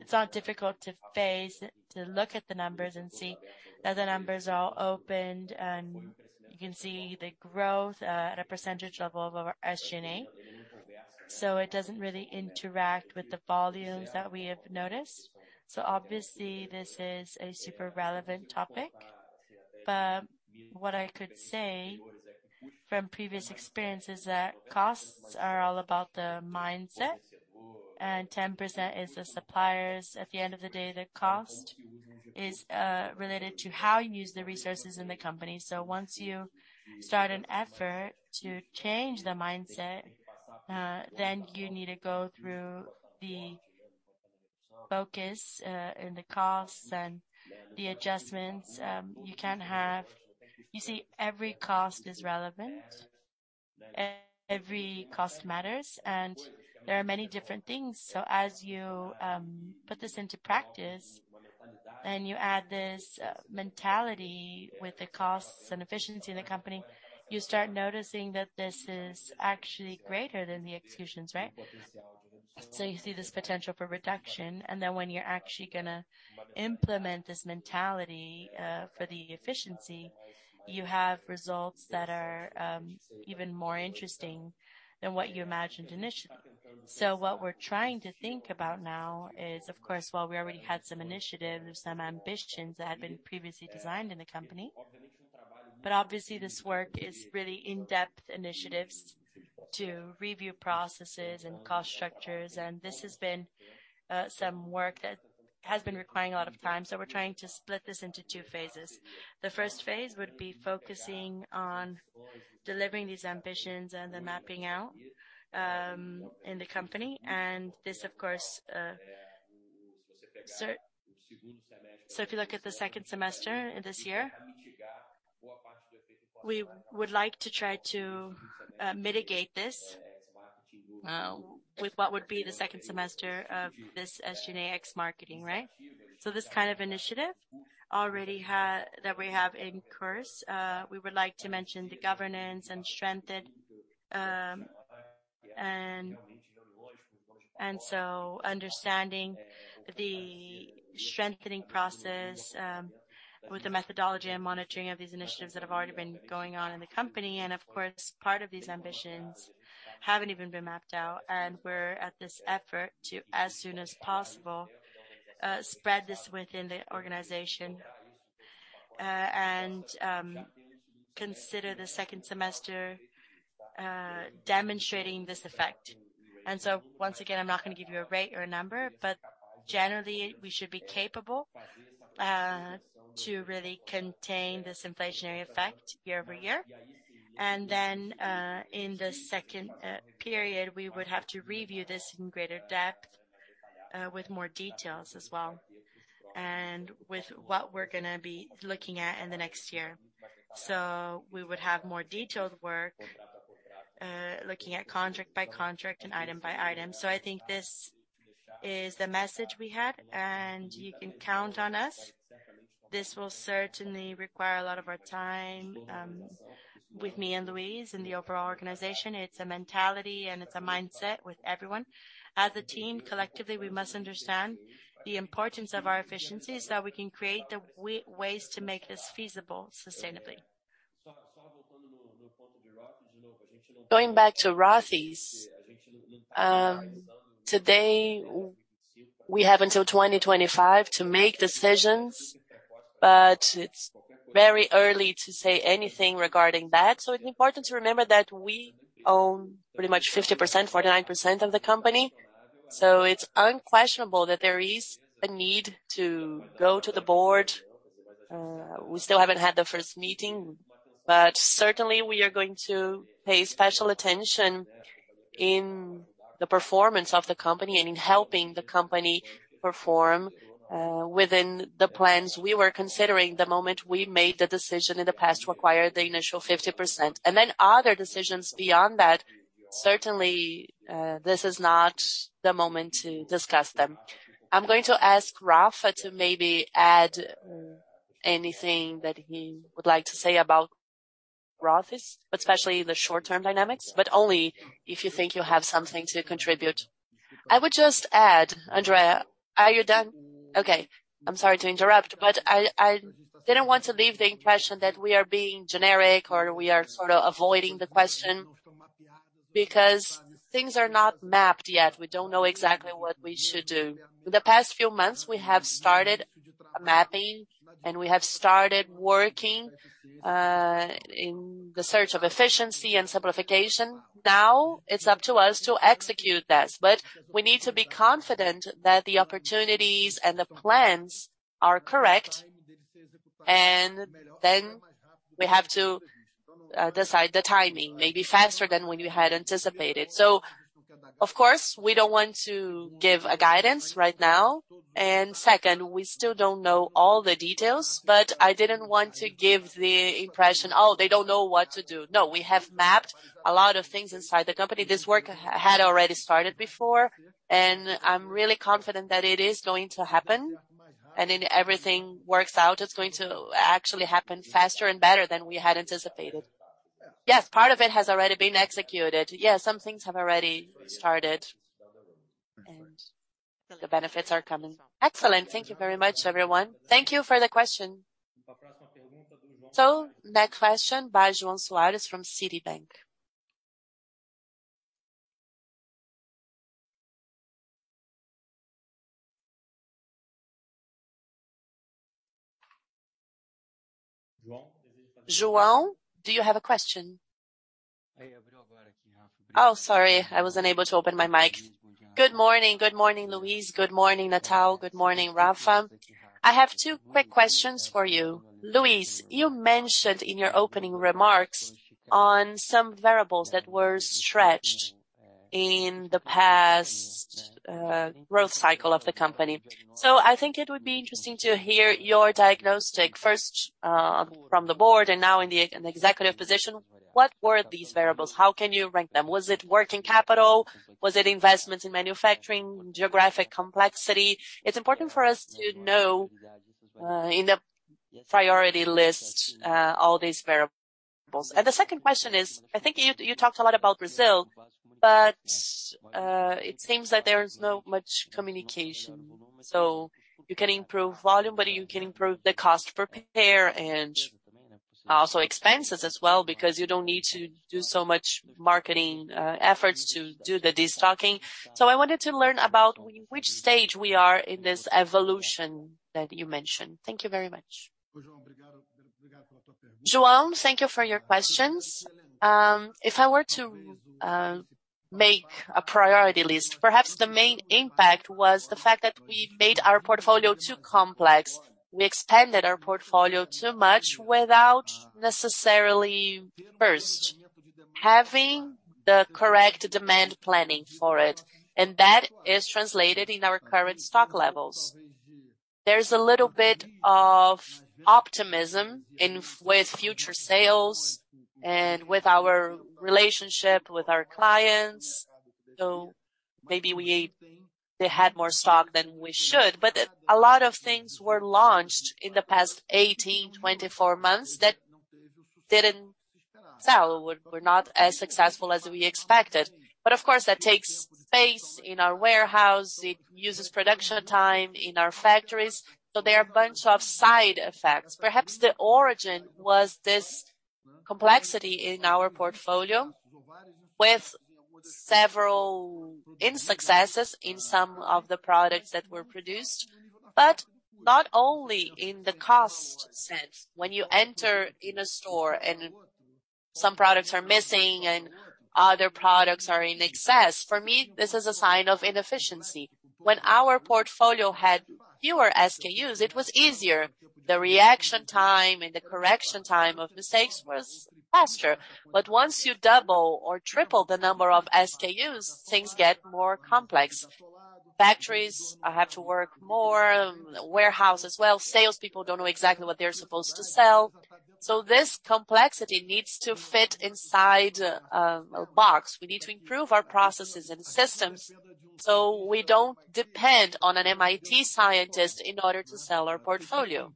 it's not difficult to phase, to look at the numbers and see that the numbers are all opened, and you can see the growth, at a percentage level of our SG&A. It doesn't really interact with the volumes that we have noticed. Obviously, this is a super relevant topic. What I could say from previous experience is that costs are all about the mindset, and 10% is the suppliers. At the end of the day, the cost is related to how you use the resources in the company. Once you start an effort to change the mindset, then you need to go through the focus in the costs and the adjustments. You see, every cost is relevant. Every cost matters, and there are many different things. As you put this into practice and you add this mentality with the costs and efficiency in the company, you start noticing that this is actually greater than the executions, right? You see this potential for reduction, and then when you're actually gonna implement this mentality for the efficiency, you have results that are even more interesting than what you imagined initially. What we're trying to think about now is, of course, while we already had some initiatives, some ambitions that had been previously designed in the company. Obviously, this work is really in-depth initiatives to review processes and cost structures, and this has been some work that has been requiring a lot of time. We're trying to split this into two phases. The first phase would be focusing on delivering these ambitions and then mapping out in the company. This, of course, if you look at the second semester this year, we would like to try to mitigate this with what would be the second semester of this SG&A ex-marketing, right? This kind of initiative already that we have in course, we would like to mention the governance and strengthen, understanding the strengthening process with the methodology and monitoring of these initiatives that have already been going on in the company. Part of these ambitions haven't even been mapped out, and we're at this effort to, as soon as possible, spread this within the organization, and consider the second semester, demonstrating this effect. Once again, I'm not gonna give you a rate or a number, but generally, we should be capable to really contain this inflationary effect year-over-year. In the second period, we would have to review this in greater depth, with more details as well, and with what we're gonna be looking at in the next year. We would have more detailed work looking at contract by contract and item by item. I think this is the message we had, and you can count on us. This will certainly require a lot of our time, with me and Luiz and the overall organization. It's a mentality, and it's a mindset with everyone. As a team, collectively, we must understand the importance of our efficiencies, that we can create the ways to make this feasible sustainably. Going back to Rothy's. Today we have until 2025 to make decisions, but it's very early to say anything regarding that. It's important to remember that we own pretty much 50%, 49% of the company. It's unquestionable that there is a need to go to the board. We still haven't had the first meeting, but certainly we are going to pay special attention in the performance of the company and in helping the company perform within the plans we were considering the moment we made the decision in the past to acquire the initial 50%. Other decisions beyond that, certainly, this is not the moment to discuss them. I'm going to ask Rafa to maybe add anything that he would like to say about office, especially the short-term dynamics, but only if you think you have something to contribute. I would just add, André. Are you done? Okay. I'm sorry to interrupt, but I didn't want to leave the impression that we are being generic or we are sort of avoiding the question because things are not mapped yet. We don't know exactly what we should do. For the past few months, we have started mapping, and we have started working in the search of efficiency and simplification. Now it's up to us to execute this, but we need to be confident that the opportunities and the plans are correct, and then we have to decide the timing, maybe faster than when you had anticipated. Of course, we don't want to give a guidance right now. Second, we still don't know all the details, but I didn't want to give the impression, "Oh, they don't know what to do." No, we have mapped a lot of things inside the company. This work had already started before. I'm really confident that it is going to happen. If everything works out, it's going to actually happen faster and better than we had anticipated. Yes, part of it has already been executed. Yes, some things have already started, and the benefits are coming. Excellent. Thank you very much, everyone. Thank you for the question. Next question by João Soares from Citibank. João, do you have a question? Oh, sorry, I was unable to open my mic. Good morning. Good morning, Luiz. Good morning, Natal. Good morning, Rafa. I have two quick questions for you. Luiz, you mentioned in your opening remarks on some variables that were stretched in the past growth cycle of the company. I think it would be interesting to hear your diagnostic first, from the board and now in the executive position, what were these variables? How can you rank them? Was it working capital? Was it investment in manufacturing, geographic complexity? It's important for us to know, in the priority list, all these variables. The second question is, I think you talked a lot about Brazil, but it seems that there is not much communication. You can improve volume, but you can improve the cost per pair and also expenses as well because you don't need to do so much marketing efforts to do the destocking. I wanted to learn about which stage we are in this evolution that you mentioned. Thank you very much. João, thank you for your questions. If I were to make a priority list, perhaps the main impact was the fact that we made our portfolio too complex. We expanded our portfolio too much without necessarily first having the correct demand planning for it. That is translated in our current stock levels. There's a little bit of optimism with future sales and with our relationship with our clients. Maybe they had more stock than we should. A lot of things were launched in the past 18, 24 months that didn't sell. We were not as successful as we expected. Of course, that takes space in our warehouse. It uses production time in our factories. There are a bunch of side effects. Perhaps the origin was this complexity in our portfolio with several insuccesses in some of the products that were produced, not only in the cost sense. When you enter in a store and some products are missing and other products are in excess, for me, this is a sign of inefficiency. When our portfolio had fewer SKUs, it was easier. The reaction time and the correction time of mistakes was faster. Once you double or triple the number of SKUs, things get more complex. Factories have to work more, warehouse as well. Salespeople don't know exactly what they're supposed to sell. This complexity needs to fit inside a box. We need to improve our processes and systems, so we don't depend on an MIT scientist in order to sell our portfolio.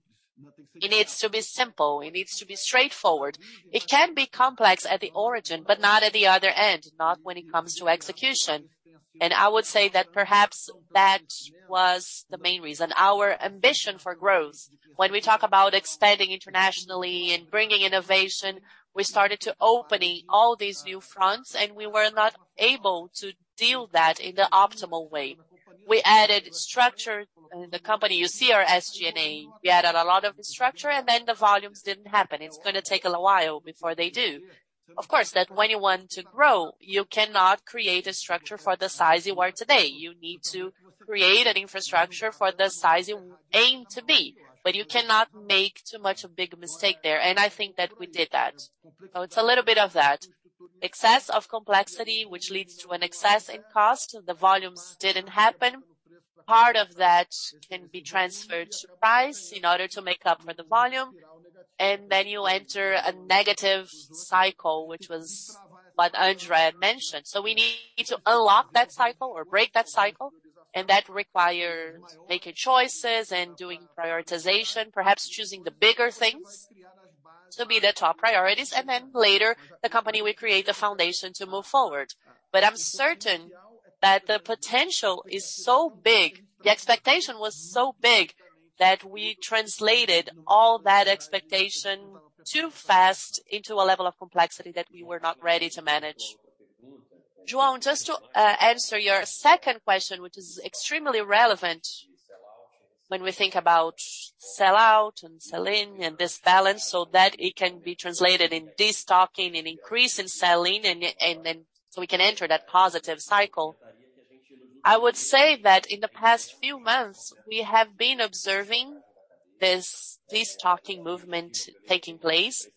It needs to be simple. It needs to be straightforward. It can be complex at the origin, but not at the other end, not when it comes to execution. I would say that perhaps that was the main reason, our ambition for growth. When we talk about expanding internationally and bringing innovation, we started to opening all these new fronts, we were not able to deal that in the optimal way. We added structure in the company. You see our SG&A. We added a lot of structure and then the volumes didn't happen. It's gonna take a little while before they do. Of course, that when you want to grow, you cannot create a structure for the size you are today. You need to create an infrastructure for the size you aim to be, but you cannot make too much a big mistake there. I think that we did that. It's a little bit of that excess of complexity which leads to an excess in cost. The volumes didn't happen. Part of that can be transferred to price in order to make up for the volume, and then you enter a negative cycle, which was what André mentioned. We need to unlock that cycle or break that cycle, and that requires making choices and doing prioritization, perhaps choosing the bigger things to be the top priorities. Later the company will create the foundation to move forward. I'm certain that the potential is so big, the expectation was so big that we translated all that expectation too fast into a level of complexity that we were not ready to manage. João, just to answer your second question, which is extremely relevant when we think about sell-out and sell-in and this balance, so that it can be translated in destocking and increase in sell-in and then so we can enter that positive cycle. I would say that in the past few months we have been observing this talking movement taking place.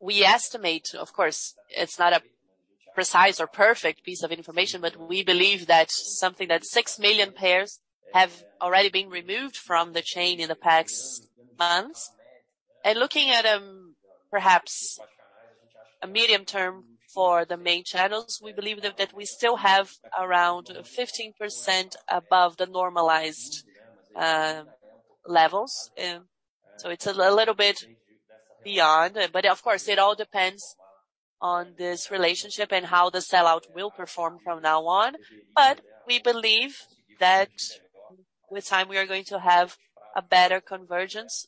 We estimate, of course, it's not a precise or perfect piece of information, but we believe that something that 6 million pairs have already been removed from the chain in the past months. Looking at perhaps a medium term for the main channels, we believe that we still have around 15% above the normalized levels. It's a little bit beyond. Of course it all depends on this relationship and how the sell-out will perform from now on. We believe that with time we are going to have a better convergence.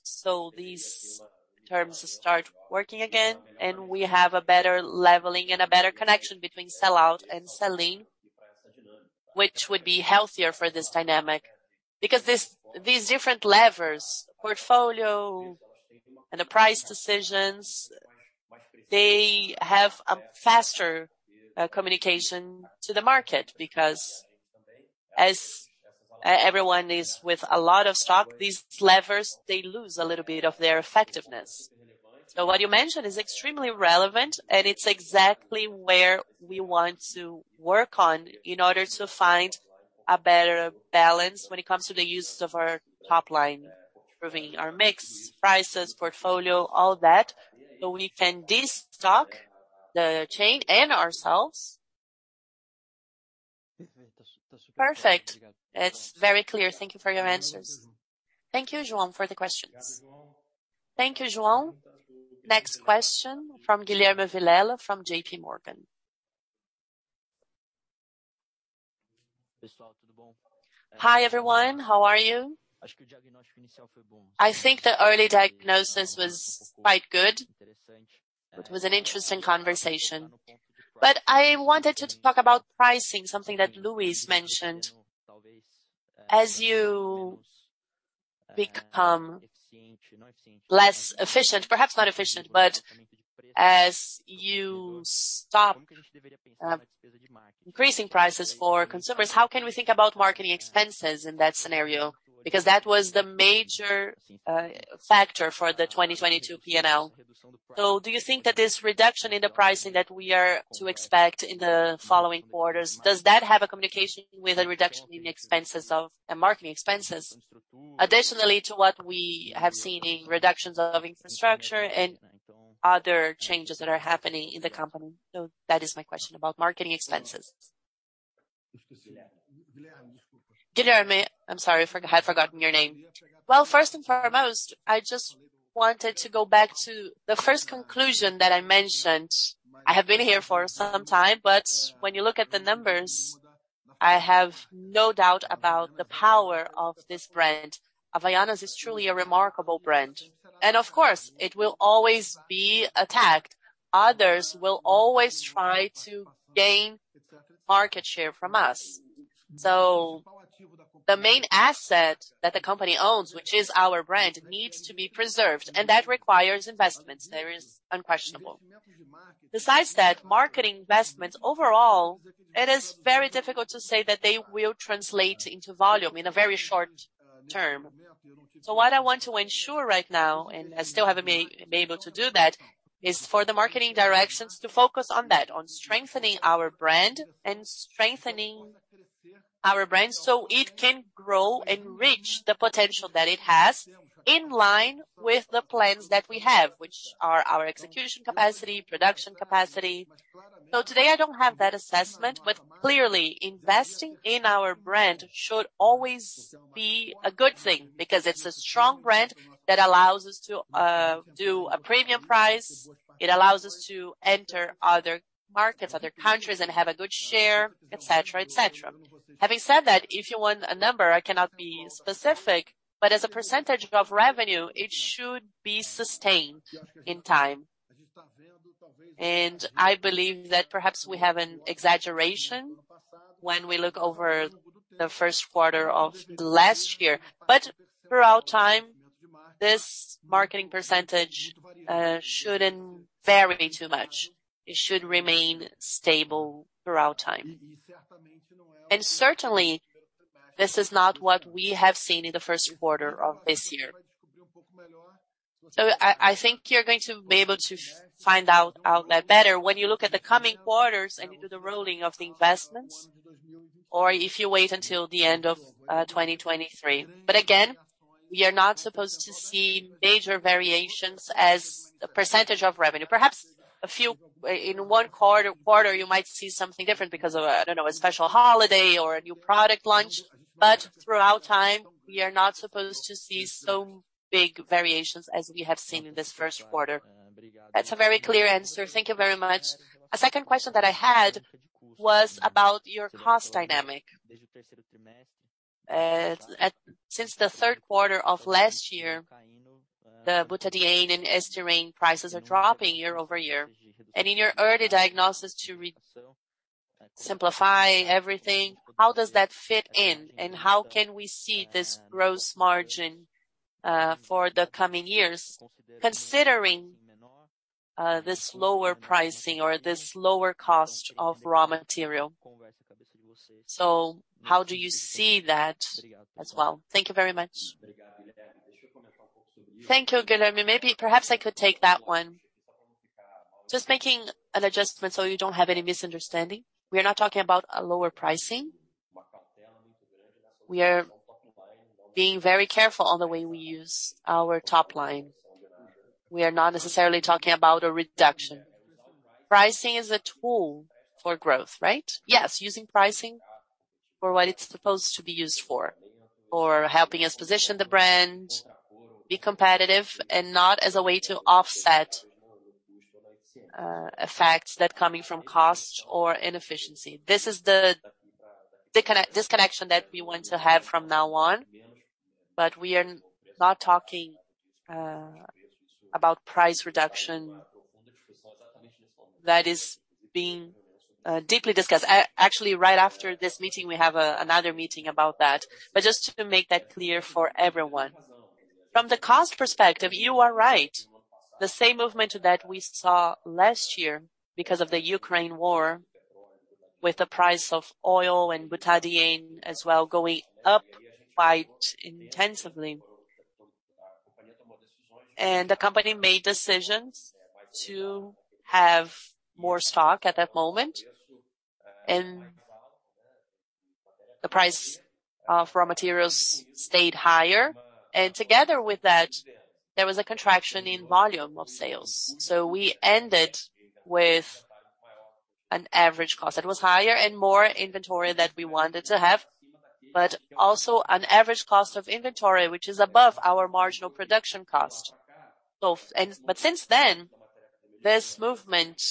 These terms start working again and we have a better leveling and a better connection between sell-out and sell-in, which would be healthier for this dynamic because these different levers, portfolio and the price decisions, they have a faster communication to the market because as everyone is with a lot of stock, these levers, they lose a little bit of their effectiveness. What you mentioned is extremely relevant and it's exactly where we want to work on in order to find a better balance when it comes to the use of our top line, improving our mix, prices, portfolio, all that. We can destock the chain and ourselves. Perfect. It's very clear. Thank you for your answers. Thank you, João, for the questions. Thank you, João. Next question from Guilherme Vilela from JPMorgan. Hi, everyone. How are you? I think the early diagnosis was quite good. It was an interesting conversation. I wanted to talk about pricing, something that Luiz mentioned. As you become less efficient, perhaps not efficient, but as you stop increasing prices for consumers, how can we think about marketing expenses in that scenario? Because that was the major factor for the 2022 P&L. Do you think that this reduction in the pricing that we are to expect in the following quarters, does that have a communication with a reduction in expenses and marketing expenses additionally to what we have seen in reductions of infrastructure and other changes that are happening in the company? That is my question about marketing expenses. Guilherme, I'm sorry for I had forgotten your name. First and foremost, I just wanted to go back to the first conclusion that I mentioned. I have been here for some time, but when you look at the numbers, I have no doubt about the power of this brand. Havaianas is truly a remarkable brand. Of course it will always be attacked. Others will always try to gain market share from us. The main asset that the company owns, which is our brand, needs to be preserved and that requires investments. There is unquestionable. Besides that, marketing investments overall, it is very difficult to say that they will translate into volume in a very short term. What I want to ensure right now, and I still haven't been able to do that, is for the marketing directions to focus on that, on strengthening our brand and strengthening our brand so it can grow and reach the potential that it has in line with the plans that we have, which are our execution capacity, production capacity. Today I don't have that assessment. Clearly investing in our brand should always be a good thing because it's a strong brand that allows us to do a premium price. It allows us to enter other markets, other countries and have a good share, et cetera, et cetera. Having said that, if you want a number, I cannot be specific, but as a percentage of revenue it should be sustained in time. I believe that perhaps we have an exaggeration when we look over the first quarter of last year. Throughout time, this marketing %, shouldn't vary too much. It should remain stable throughout time. Certainly, this is not what we have seen in the first quarter of this year. I think you're going to be able to find out that better when you look at the coming quarters and you do the rolling of the investments or if you wait until the end of 2023. Again, we are not supposed to see major variations as a percentage of revenue. Perhaps a few, in one quarter, you might see something different because of, I don't know, a special holiday or a new product launch. Throughout time, we are not supposed to see so big variations as we have seen in this first quarter. That's a very clear answer. Thank you very much. A second question that I had was about your cost dynamic. Since the third quarter of last year, the butadiene and styrene prices are dropping year-over-year. In your early diagnosis to re-simplify everything, how does that fit in, and how can we see this gross margin for the coming years, considering this lower pricing or this lower cost of raw material? How do you see that as well? Thank you very much. Thank you, Guilherme. Maybe perhaps I could take that one. Just making an adjustment so you don't have any misunderstanding. We are not talking about a lower pricing. We are being very careful on the way we use our top line. We are not necessarily talking about a reduction. Pricing is a tool for growth, right? Yes, using pricing for what it's supposed to be used for, or helping us position the brand, be competitive, and not as a way to offset effects that coming from costs or inefficiency. This is the disconnection that we want to have from now on. We are not talking about price reduction. That is being deeply discussed. Actually, right after this meeting, we have another meeting about that. Just to make that clear for everyone. From the cost perspective, you are right. The same movement that we saw last year because of the Ukraine war, with the price of oil and butadiene as well going up quite intensively. The company made decisions to have more stock at that moment, and the price of raw materials stayed higher. Together with that, there was a contraction in volume of sales. We ended with an average cost that was higher and more inventory that we wanted to have, but also an average cost of inventory which is above our marginal production cost. Since then, this movement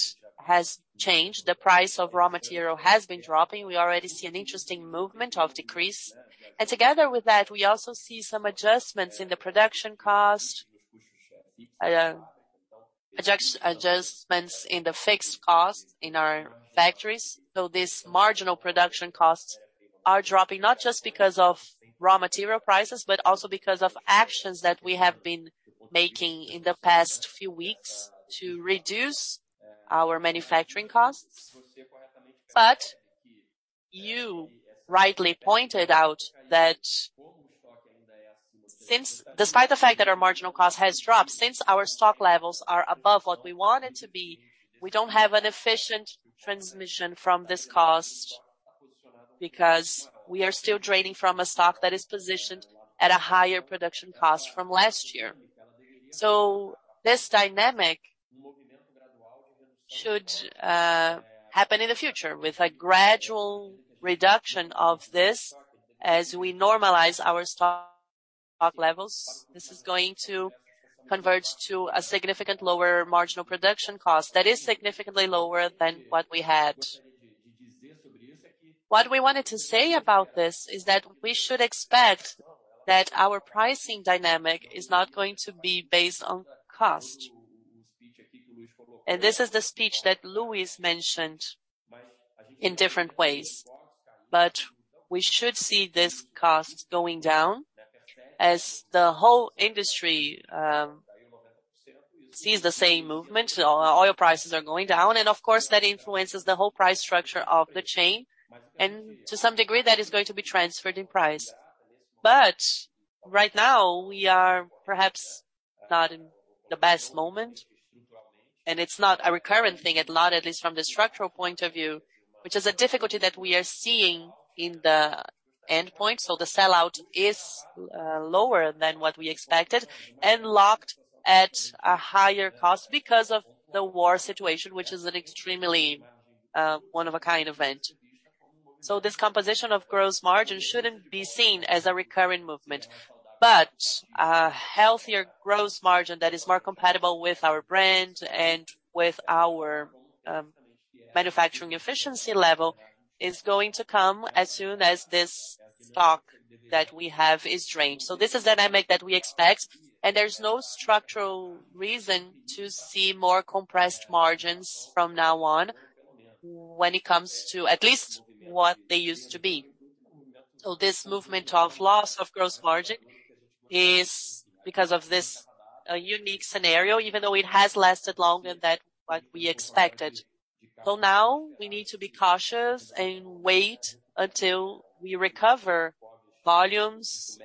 has changed. The price of raw material has been dropping. We already see an interesting movement of decrease. Together with that, we also see some adjustments in the production cost, adjustments in the fixed cost in our factories. This marginal production costs are dropping not just because of raw material prices, but also because of actions that we have been making in the past few weeks to reduce our manufacturing costs. You rightly pointed out that despite the fact that our marginal cost has dropped, since our stock levels are above what we want it to be, we don't have an efficient transmission from this cost because we are still draining from a stock that is positioned at a higher production cost from last year. This dynamic should happen in the future with a gradual reduction of this as we normalize our stock levels. This is going to convert to a significant lower marginal production cost that is significantly lower than what we had. What we wanted to say about this is that we should expect that our pricing dynamic is not going to be based on cost. This is the speech that Luiz mentioned in different ways. We should see this cost going down as the whole industry sees the same movement. Oil prices are going down, and of course, that influences the whole price structure of the chain. To some degree, that is going to be transferred in price. Right now, we are perhaps not in the best moment, and it's not a recurrent thing at lot, at least from the structural point of view, which is a difficulty that we are seeing in the endpoint. The sell-out is lower than what we expected and locked at a higher cost because of the war situation, which is an extremely one of a kind event. This composition of gross margin shouldn't be seen as a recurring movement, but a healthier gross margin that is more compatible with our brand and with our manufacturing efficiency level is going to come as soon as this stock that we have is drained. This is the dynamic that we expect, and there's no structural reason to see more compressed margins from now on when it comes to at least what they used to be. This movement of loss of gross margin is because of this unique scenario, even though it has lasted longer than what we expected. Now we need to be cautious and wait until we recover volumes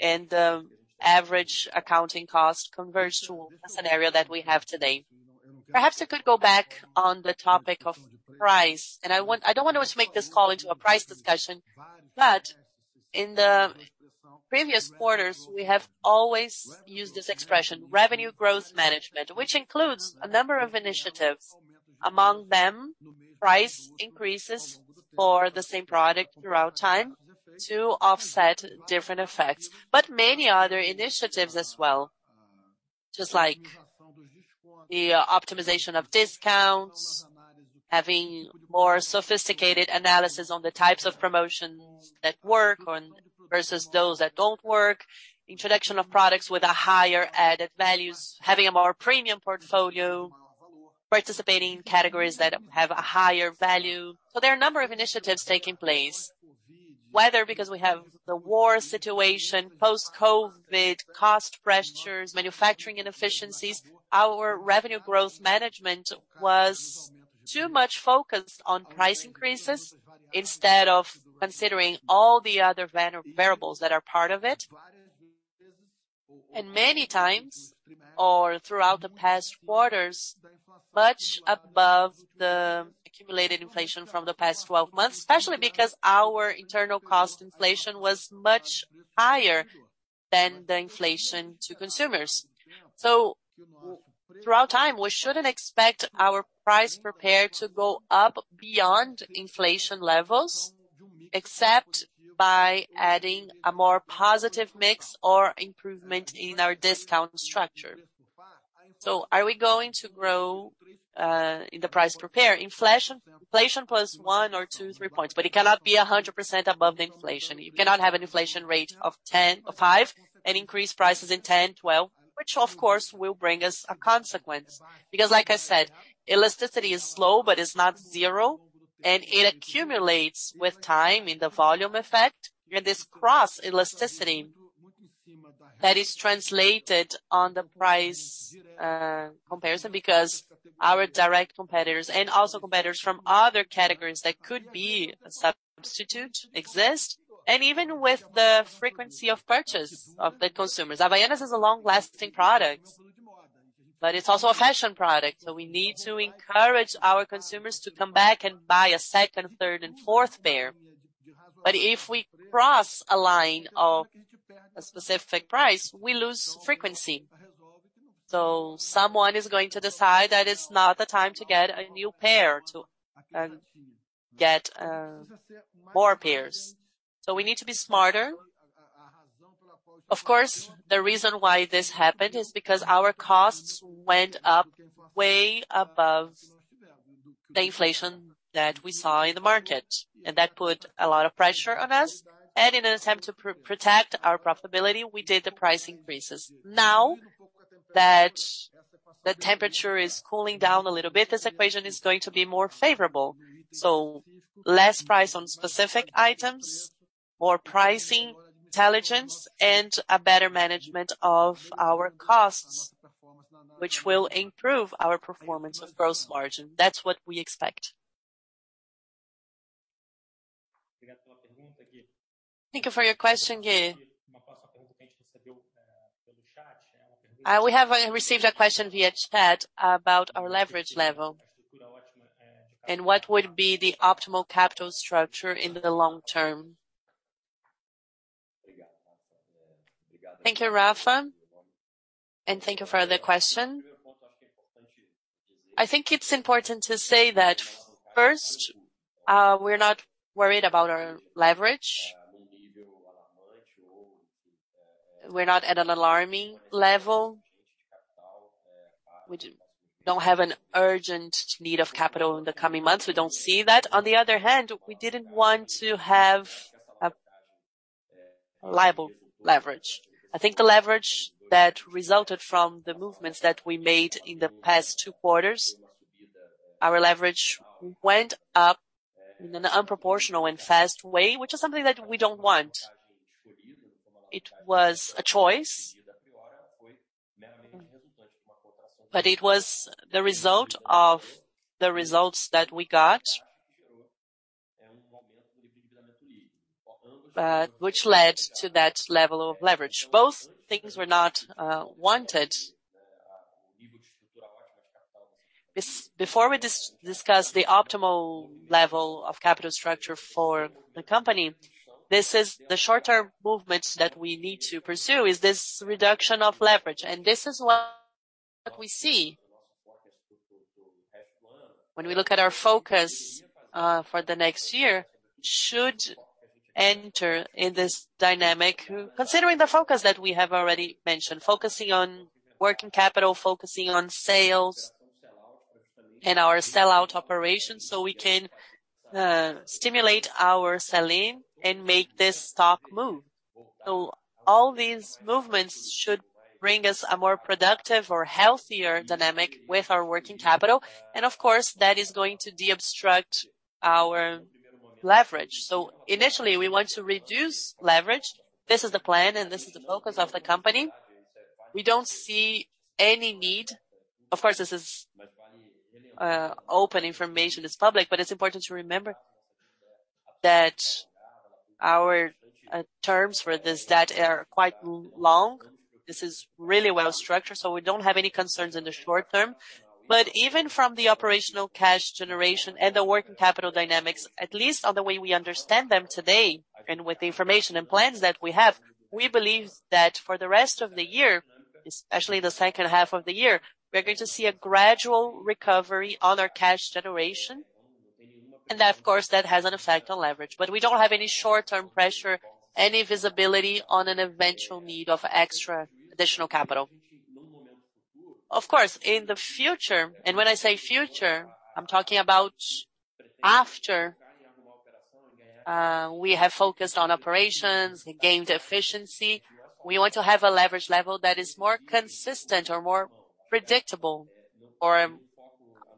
and the average accounting cost converge to a scenario that we have today. Perhaps I could go back on the topic of price. I don't want to make this call into a price discussion. In the previous quarters, we have always used this expression, Revenue Growth Management. Which includes a number of initiatives, among them, price increases for the same product throughout time to offset different effects. Many other initiatives as well, just like the optimization of discounts, having more sophisticated analysis on the types of promotions that work or versus those that don't work, introduction of products with a higher added values, having a more premium portfolio, participating in categories that have a higher value. There are a number of initiatives taking place. Whether because we have the war situation, post-COVID cost pressures, manufacturing inefficiencies, our Revenue Growth Management was too much focused on price increases instead of considering all the other variables that are part of it. Many times or throughout the past quarters, much above the accumulated inflation from the past 12 months, especially because our internal cost inflation was much higher than the inflation to consumers. Throughout time, we shouldn't expect our price [per pair] to go up beyond inflation levels, except by adding a more positive mix or improvement in our discount structure. Are we going to grow in the price [per pair]? Inflation, inflation plus 1 or 2, 3 points, but it cannot be 100% above the inflation. You cannot have an inflation rate of 10 or 5 and increase prices in 10, 12, which of course, will bring us a consequence. Like I said, elasticity is slow but it's not zero, and it accumulates with time in the volume effect. This cross elasticity that is translated on the price comparison because our direct competitors and also competitors from other categories that could be a substitute exist. Even with the frequency of purchase of the consumers. Havaianas is a long-lasting product, but it's also a fashion product. We need to encourage our consumers to come back and buy a second, third and fourth pair. If we cross a line of a specific price, we lose frequency. Someone is going to decide that it's not the time to get a new pair to get more pairs. We need to be smarter. Of course, the reason why this happened is because our costs went up way above the inflation that we saw in the market, and that put a lot of pressure on us. In an attempt to protect our profitability, we did the price increases. Now that the temperature is cooling down a little bit, this equation is going to be more favorable. Less price on specific items, more pricing intelligence, and a better management of our costs, which will improve our performance of gross margin. That's what we expect. Thank you for your question, Gabi. We have received a question via chat about our leverage level and what would be the optimal capital structure in the long term. Thank you, Rafa, and thank you for the question. I think it's important to say that first, we're not worried about our leverage. We're not at an alarming level. We don't have an urgent need of capital in the coming months. We don't see that. We didn't want to have a liable leverage. I think the leverage that resulted from the movements that we made in the past two quarters, our leverage went up in an unproportional and fast way, which is something that we don't want. It was a choice, it was the result of the results that we got, which led to that level of leverage. Both things were not wanted. Before we discuss the optimal level of capital structure for the company, this is the short-term movements that we need to pursue is this reduction of leverage. This is what we see when we look at our focus, for the next year, Enter in this dynamic, considering the focus that we have already mentioned, focusing on working capital, focusing on sales and our sell-out operations, so we can, stimulate our selling and make this stock move. All these movements should bring us a more productive or healthier dynamic with our working capital. Of course, that is going to deobstruct our leverage. Initially, we want to reduce leverage. This is the plan and this is the focus of the company. We don't see any need. Of course, this is, open information, it's public, but it's important to remember that our, terms for this debt are quite long. This is really well structured. We don't have any concerns in the short term. Even from the operational cash generation and the working capital dynamics, at least on the way we understand them today, and with the information and plans that we have, we believe that for the rest of the year, especially the second half of the year, we are going to see a gradual recovery on our cash generation. Of course, that has an effect on leverage. We don't have any short-term pressure, any visibility on an eventual need of extra additional capital. Of course, in the future, and when I say future, I'm talking about after we have focused on operations and gained efficiency. We want to have a leverage level that is more consistent or more predictable or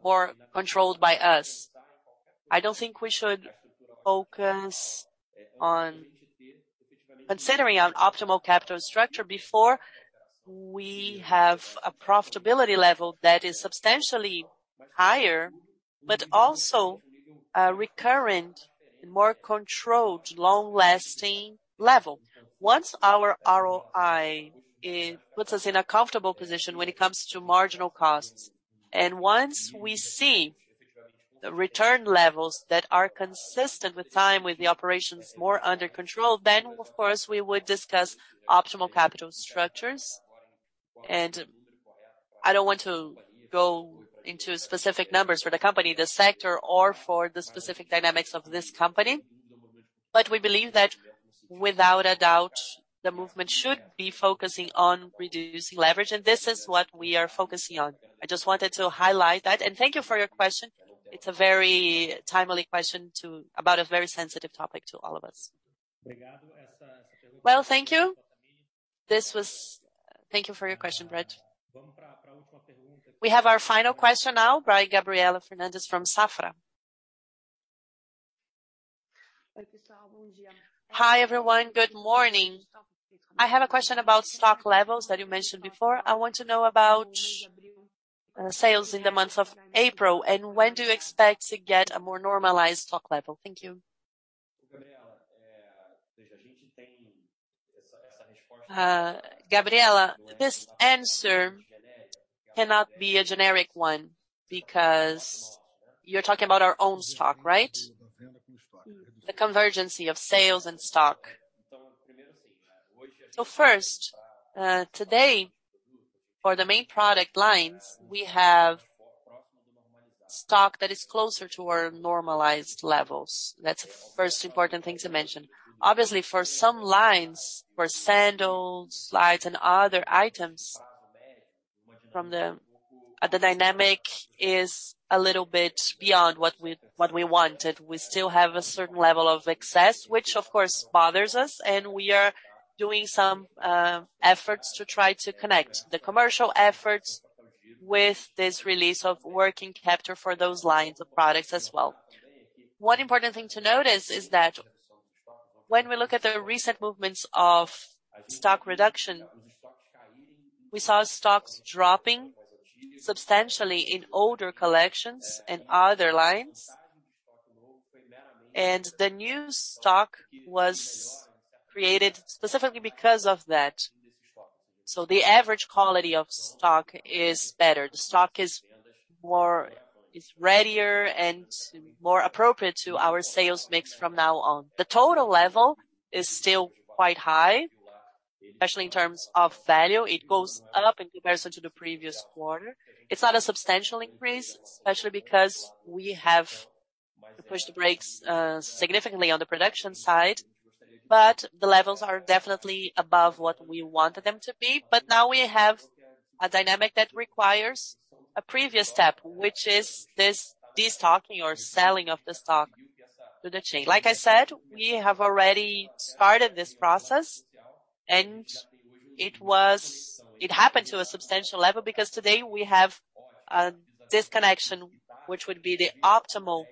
more controlled by us. I don't think we should focus on considering an optimal capital structure before we have a profitability level that is substantially higher, but also a recurrent and more controlled, long-lasting level. Once our ROI it puts us in a comfortable position when it comes to marginal costs, once we see the return levels that are consistent with time with the operations more under control, of course, we would discuss optimal capital structures. I don't want to go into specific numbers for the company, the sector, or for the specific dynamics of this company. We believe that without a doubt, the movement should be focusing on reducing leverage, this is what we are focusing on. I just wanted to highlight that. Thank you for your question. It's a very timely question about a very sensitive topic to all of us. Thank you. Thank you for your question, Brett. We have our final question now by Gabriela Fernandes from Safra. Hi, everyone. Good morning. I have a question about stock levels that you mentioned before. I want to know about sales in the months of April. When do you expect to get a more normalized stock level? Thank you. Gabriela, this answer cannot be a generic one because you're talking about our own stock, right? The convergence of sales and stock. First, today for the main product lines, we have stock that is closer to our normalized levels. That's the first important thing to mention. Obviously, for some lines, for sandals, slides, and other items, the dynamic is a little bit beyond what we wanted. We still have a certain level of excess, which of course bothers us. We are doing some efforts to try to connect the commercial efforts with this release of working capital for those lines of products as well. One important thing to notice is that when we look at the recent movements of stock reduction, we saw stocks dropping substantially in older collections and other lines. The new stock was created specifically because of that. The average quality of stock is better. The stock is more readier and more appropriate to our sales mix from now on. The total level is still quite high, especially in terms of value. It goes up in comparison to the previous quarter. It's not a substantial increase, especially because we have pushed the brakes significantly on the production side, the levels are definitely above what we wanted them to be. Now we have a dynamic that requires a previous step, which is this destocking or selling of the stock to the chain. Like I said, we have already started this process, it happened to a substantial level because today we have a disconnection, which would be the optimal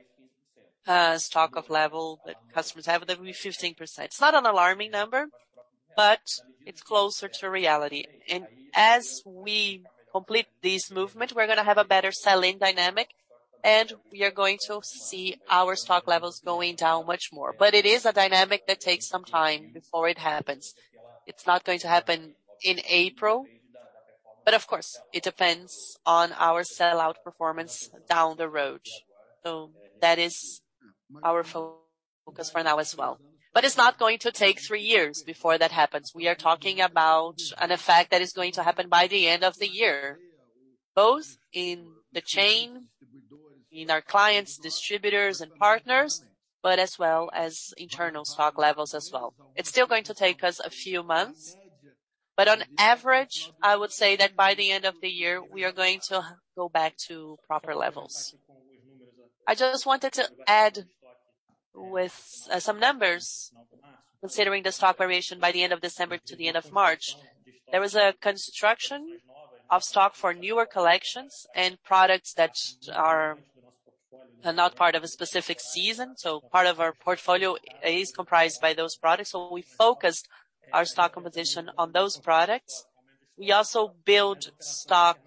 stock of level that customers have. That would be 15%. It's not an alarming number, but it's closer to reality. As we complete this movement, we're gonna have a better selling dynamic, and we are going to see our stock levels going down much more. It is a dynamic that takes some time before it happens. It's not going to happen in April, but of course, it depends on our sell-out performance down the road. That is our focus for now as well. It's not going to take three years before that happens. We are talking about an effect that is going to happen by the end of the year, both in the chain in our clients, distributors and partners, as well as internal stock levels as well. It's still going to take us a few months. On average, I would say that by the end of the year, we are going to go back to proper levels. I just wanted to add with some numbers, considering the stock variation by the end of December to the end of March. There was a construction of stock for newer collections and products that are not part of a specific season. Part of our portfolio is comprised by those products. We focused our stock composition on those products. We also build stock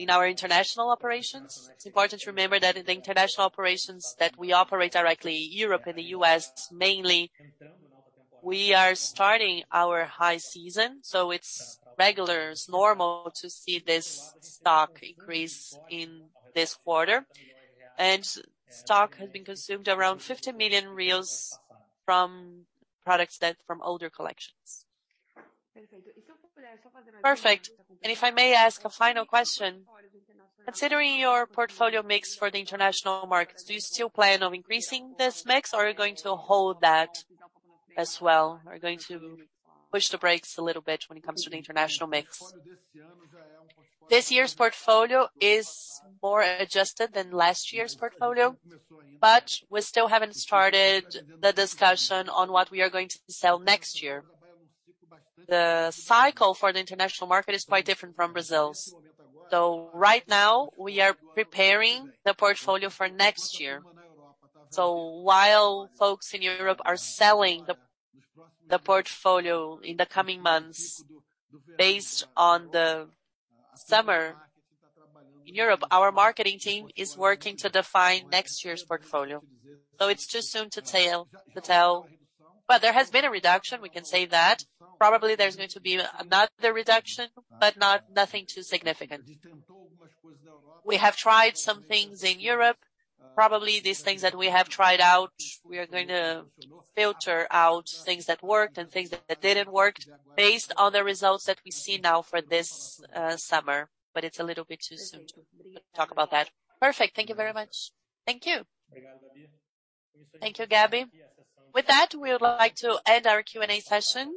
in our international operations. It's important to remember that in the international operations that we operate directly, Europe and the U.S. mainly, we are starting our high season, so it's regular, it's normal to see this stock increase in this quarter. Stock has been consumed around 50 million from products that from older collections. Perfect. If I may ask a final question. Considering your portfolio mix for the international markets, do you still plan on increasing this mix, or are you going to hold that as well? Are you going to push the brakes a little bit when it comes to the international mix? This year's portfolio is more adjusted than last year's portfolio, but we still haven't started the discussion on what we are going to sell next year. The cycle for the international market is quite different from Brazil's. Right now, we are preparing the portfolio for next year. While folks in Europe are selling the portfolio in the coming months based on the summer in Europe, our marketing team is working to define next year's portfolio. It's too soon to tell. There has been a reduction, we can say that. Probably, there's going to be another reduction, but not nothing too significant. We have tried some things in Europe. Probably, these things that we have tried out, we are going to filter out things that worked and things that didn't work based on the results that we see now for this summer. It's a little bit too soon to talk about that. Perfect. Thank you very much. Thank you. Thank you, Gabi. With that, we would like to end our Q&A session.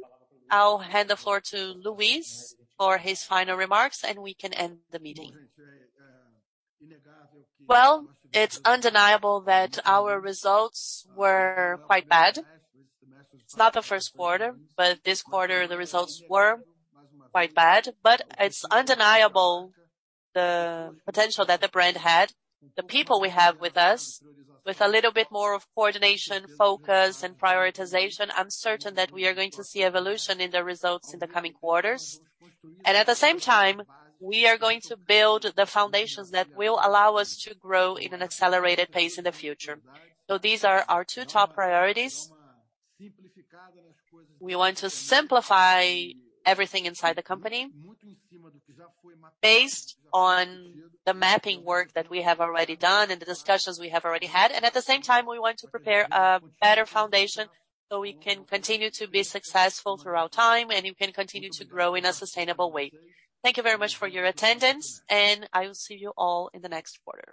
I'll hand the floor to Luiz for his final remarks, and we can end the meeting. It's undeniable that our results were quite bad. It's not the first quarter, this quarter the results were quite bad. It's undeniable the potential that the brand had. The people we have with us, with a little bit more of coordination, focus, and prioritization, I'm certain that we are going to see evolution in the results in the coming quarters. At the same time, we are going to build the foundations that will allow us to grow in an accelerated pace in the future. These are our two top priorities. We want to simplify everything inside the company based on the mapping work that we have already done and the discussions we have already had. At the same time, we want to prepare a better foundation so we can continue to be successful throughout time and we can continue to grow in a sustainable way. Thank you very much for your attendance, and I will see you all in the next quarter.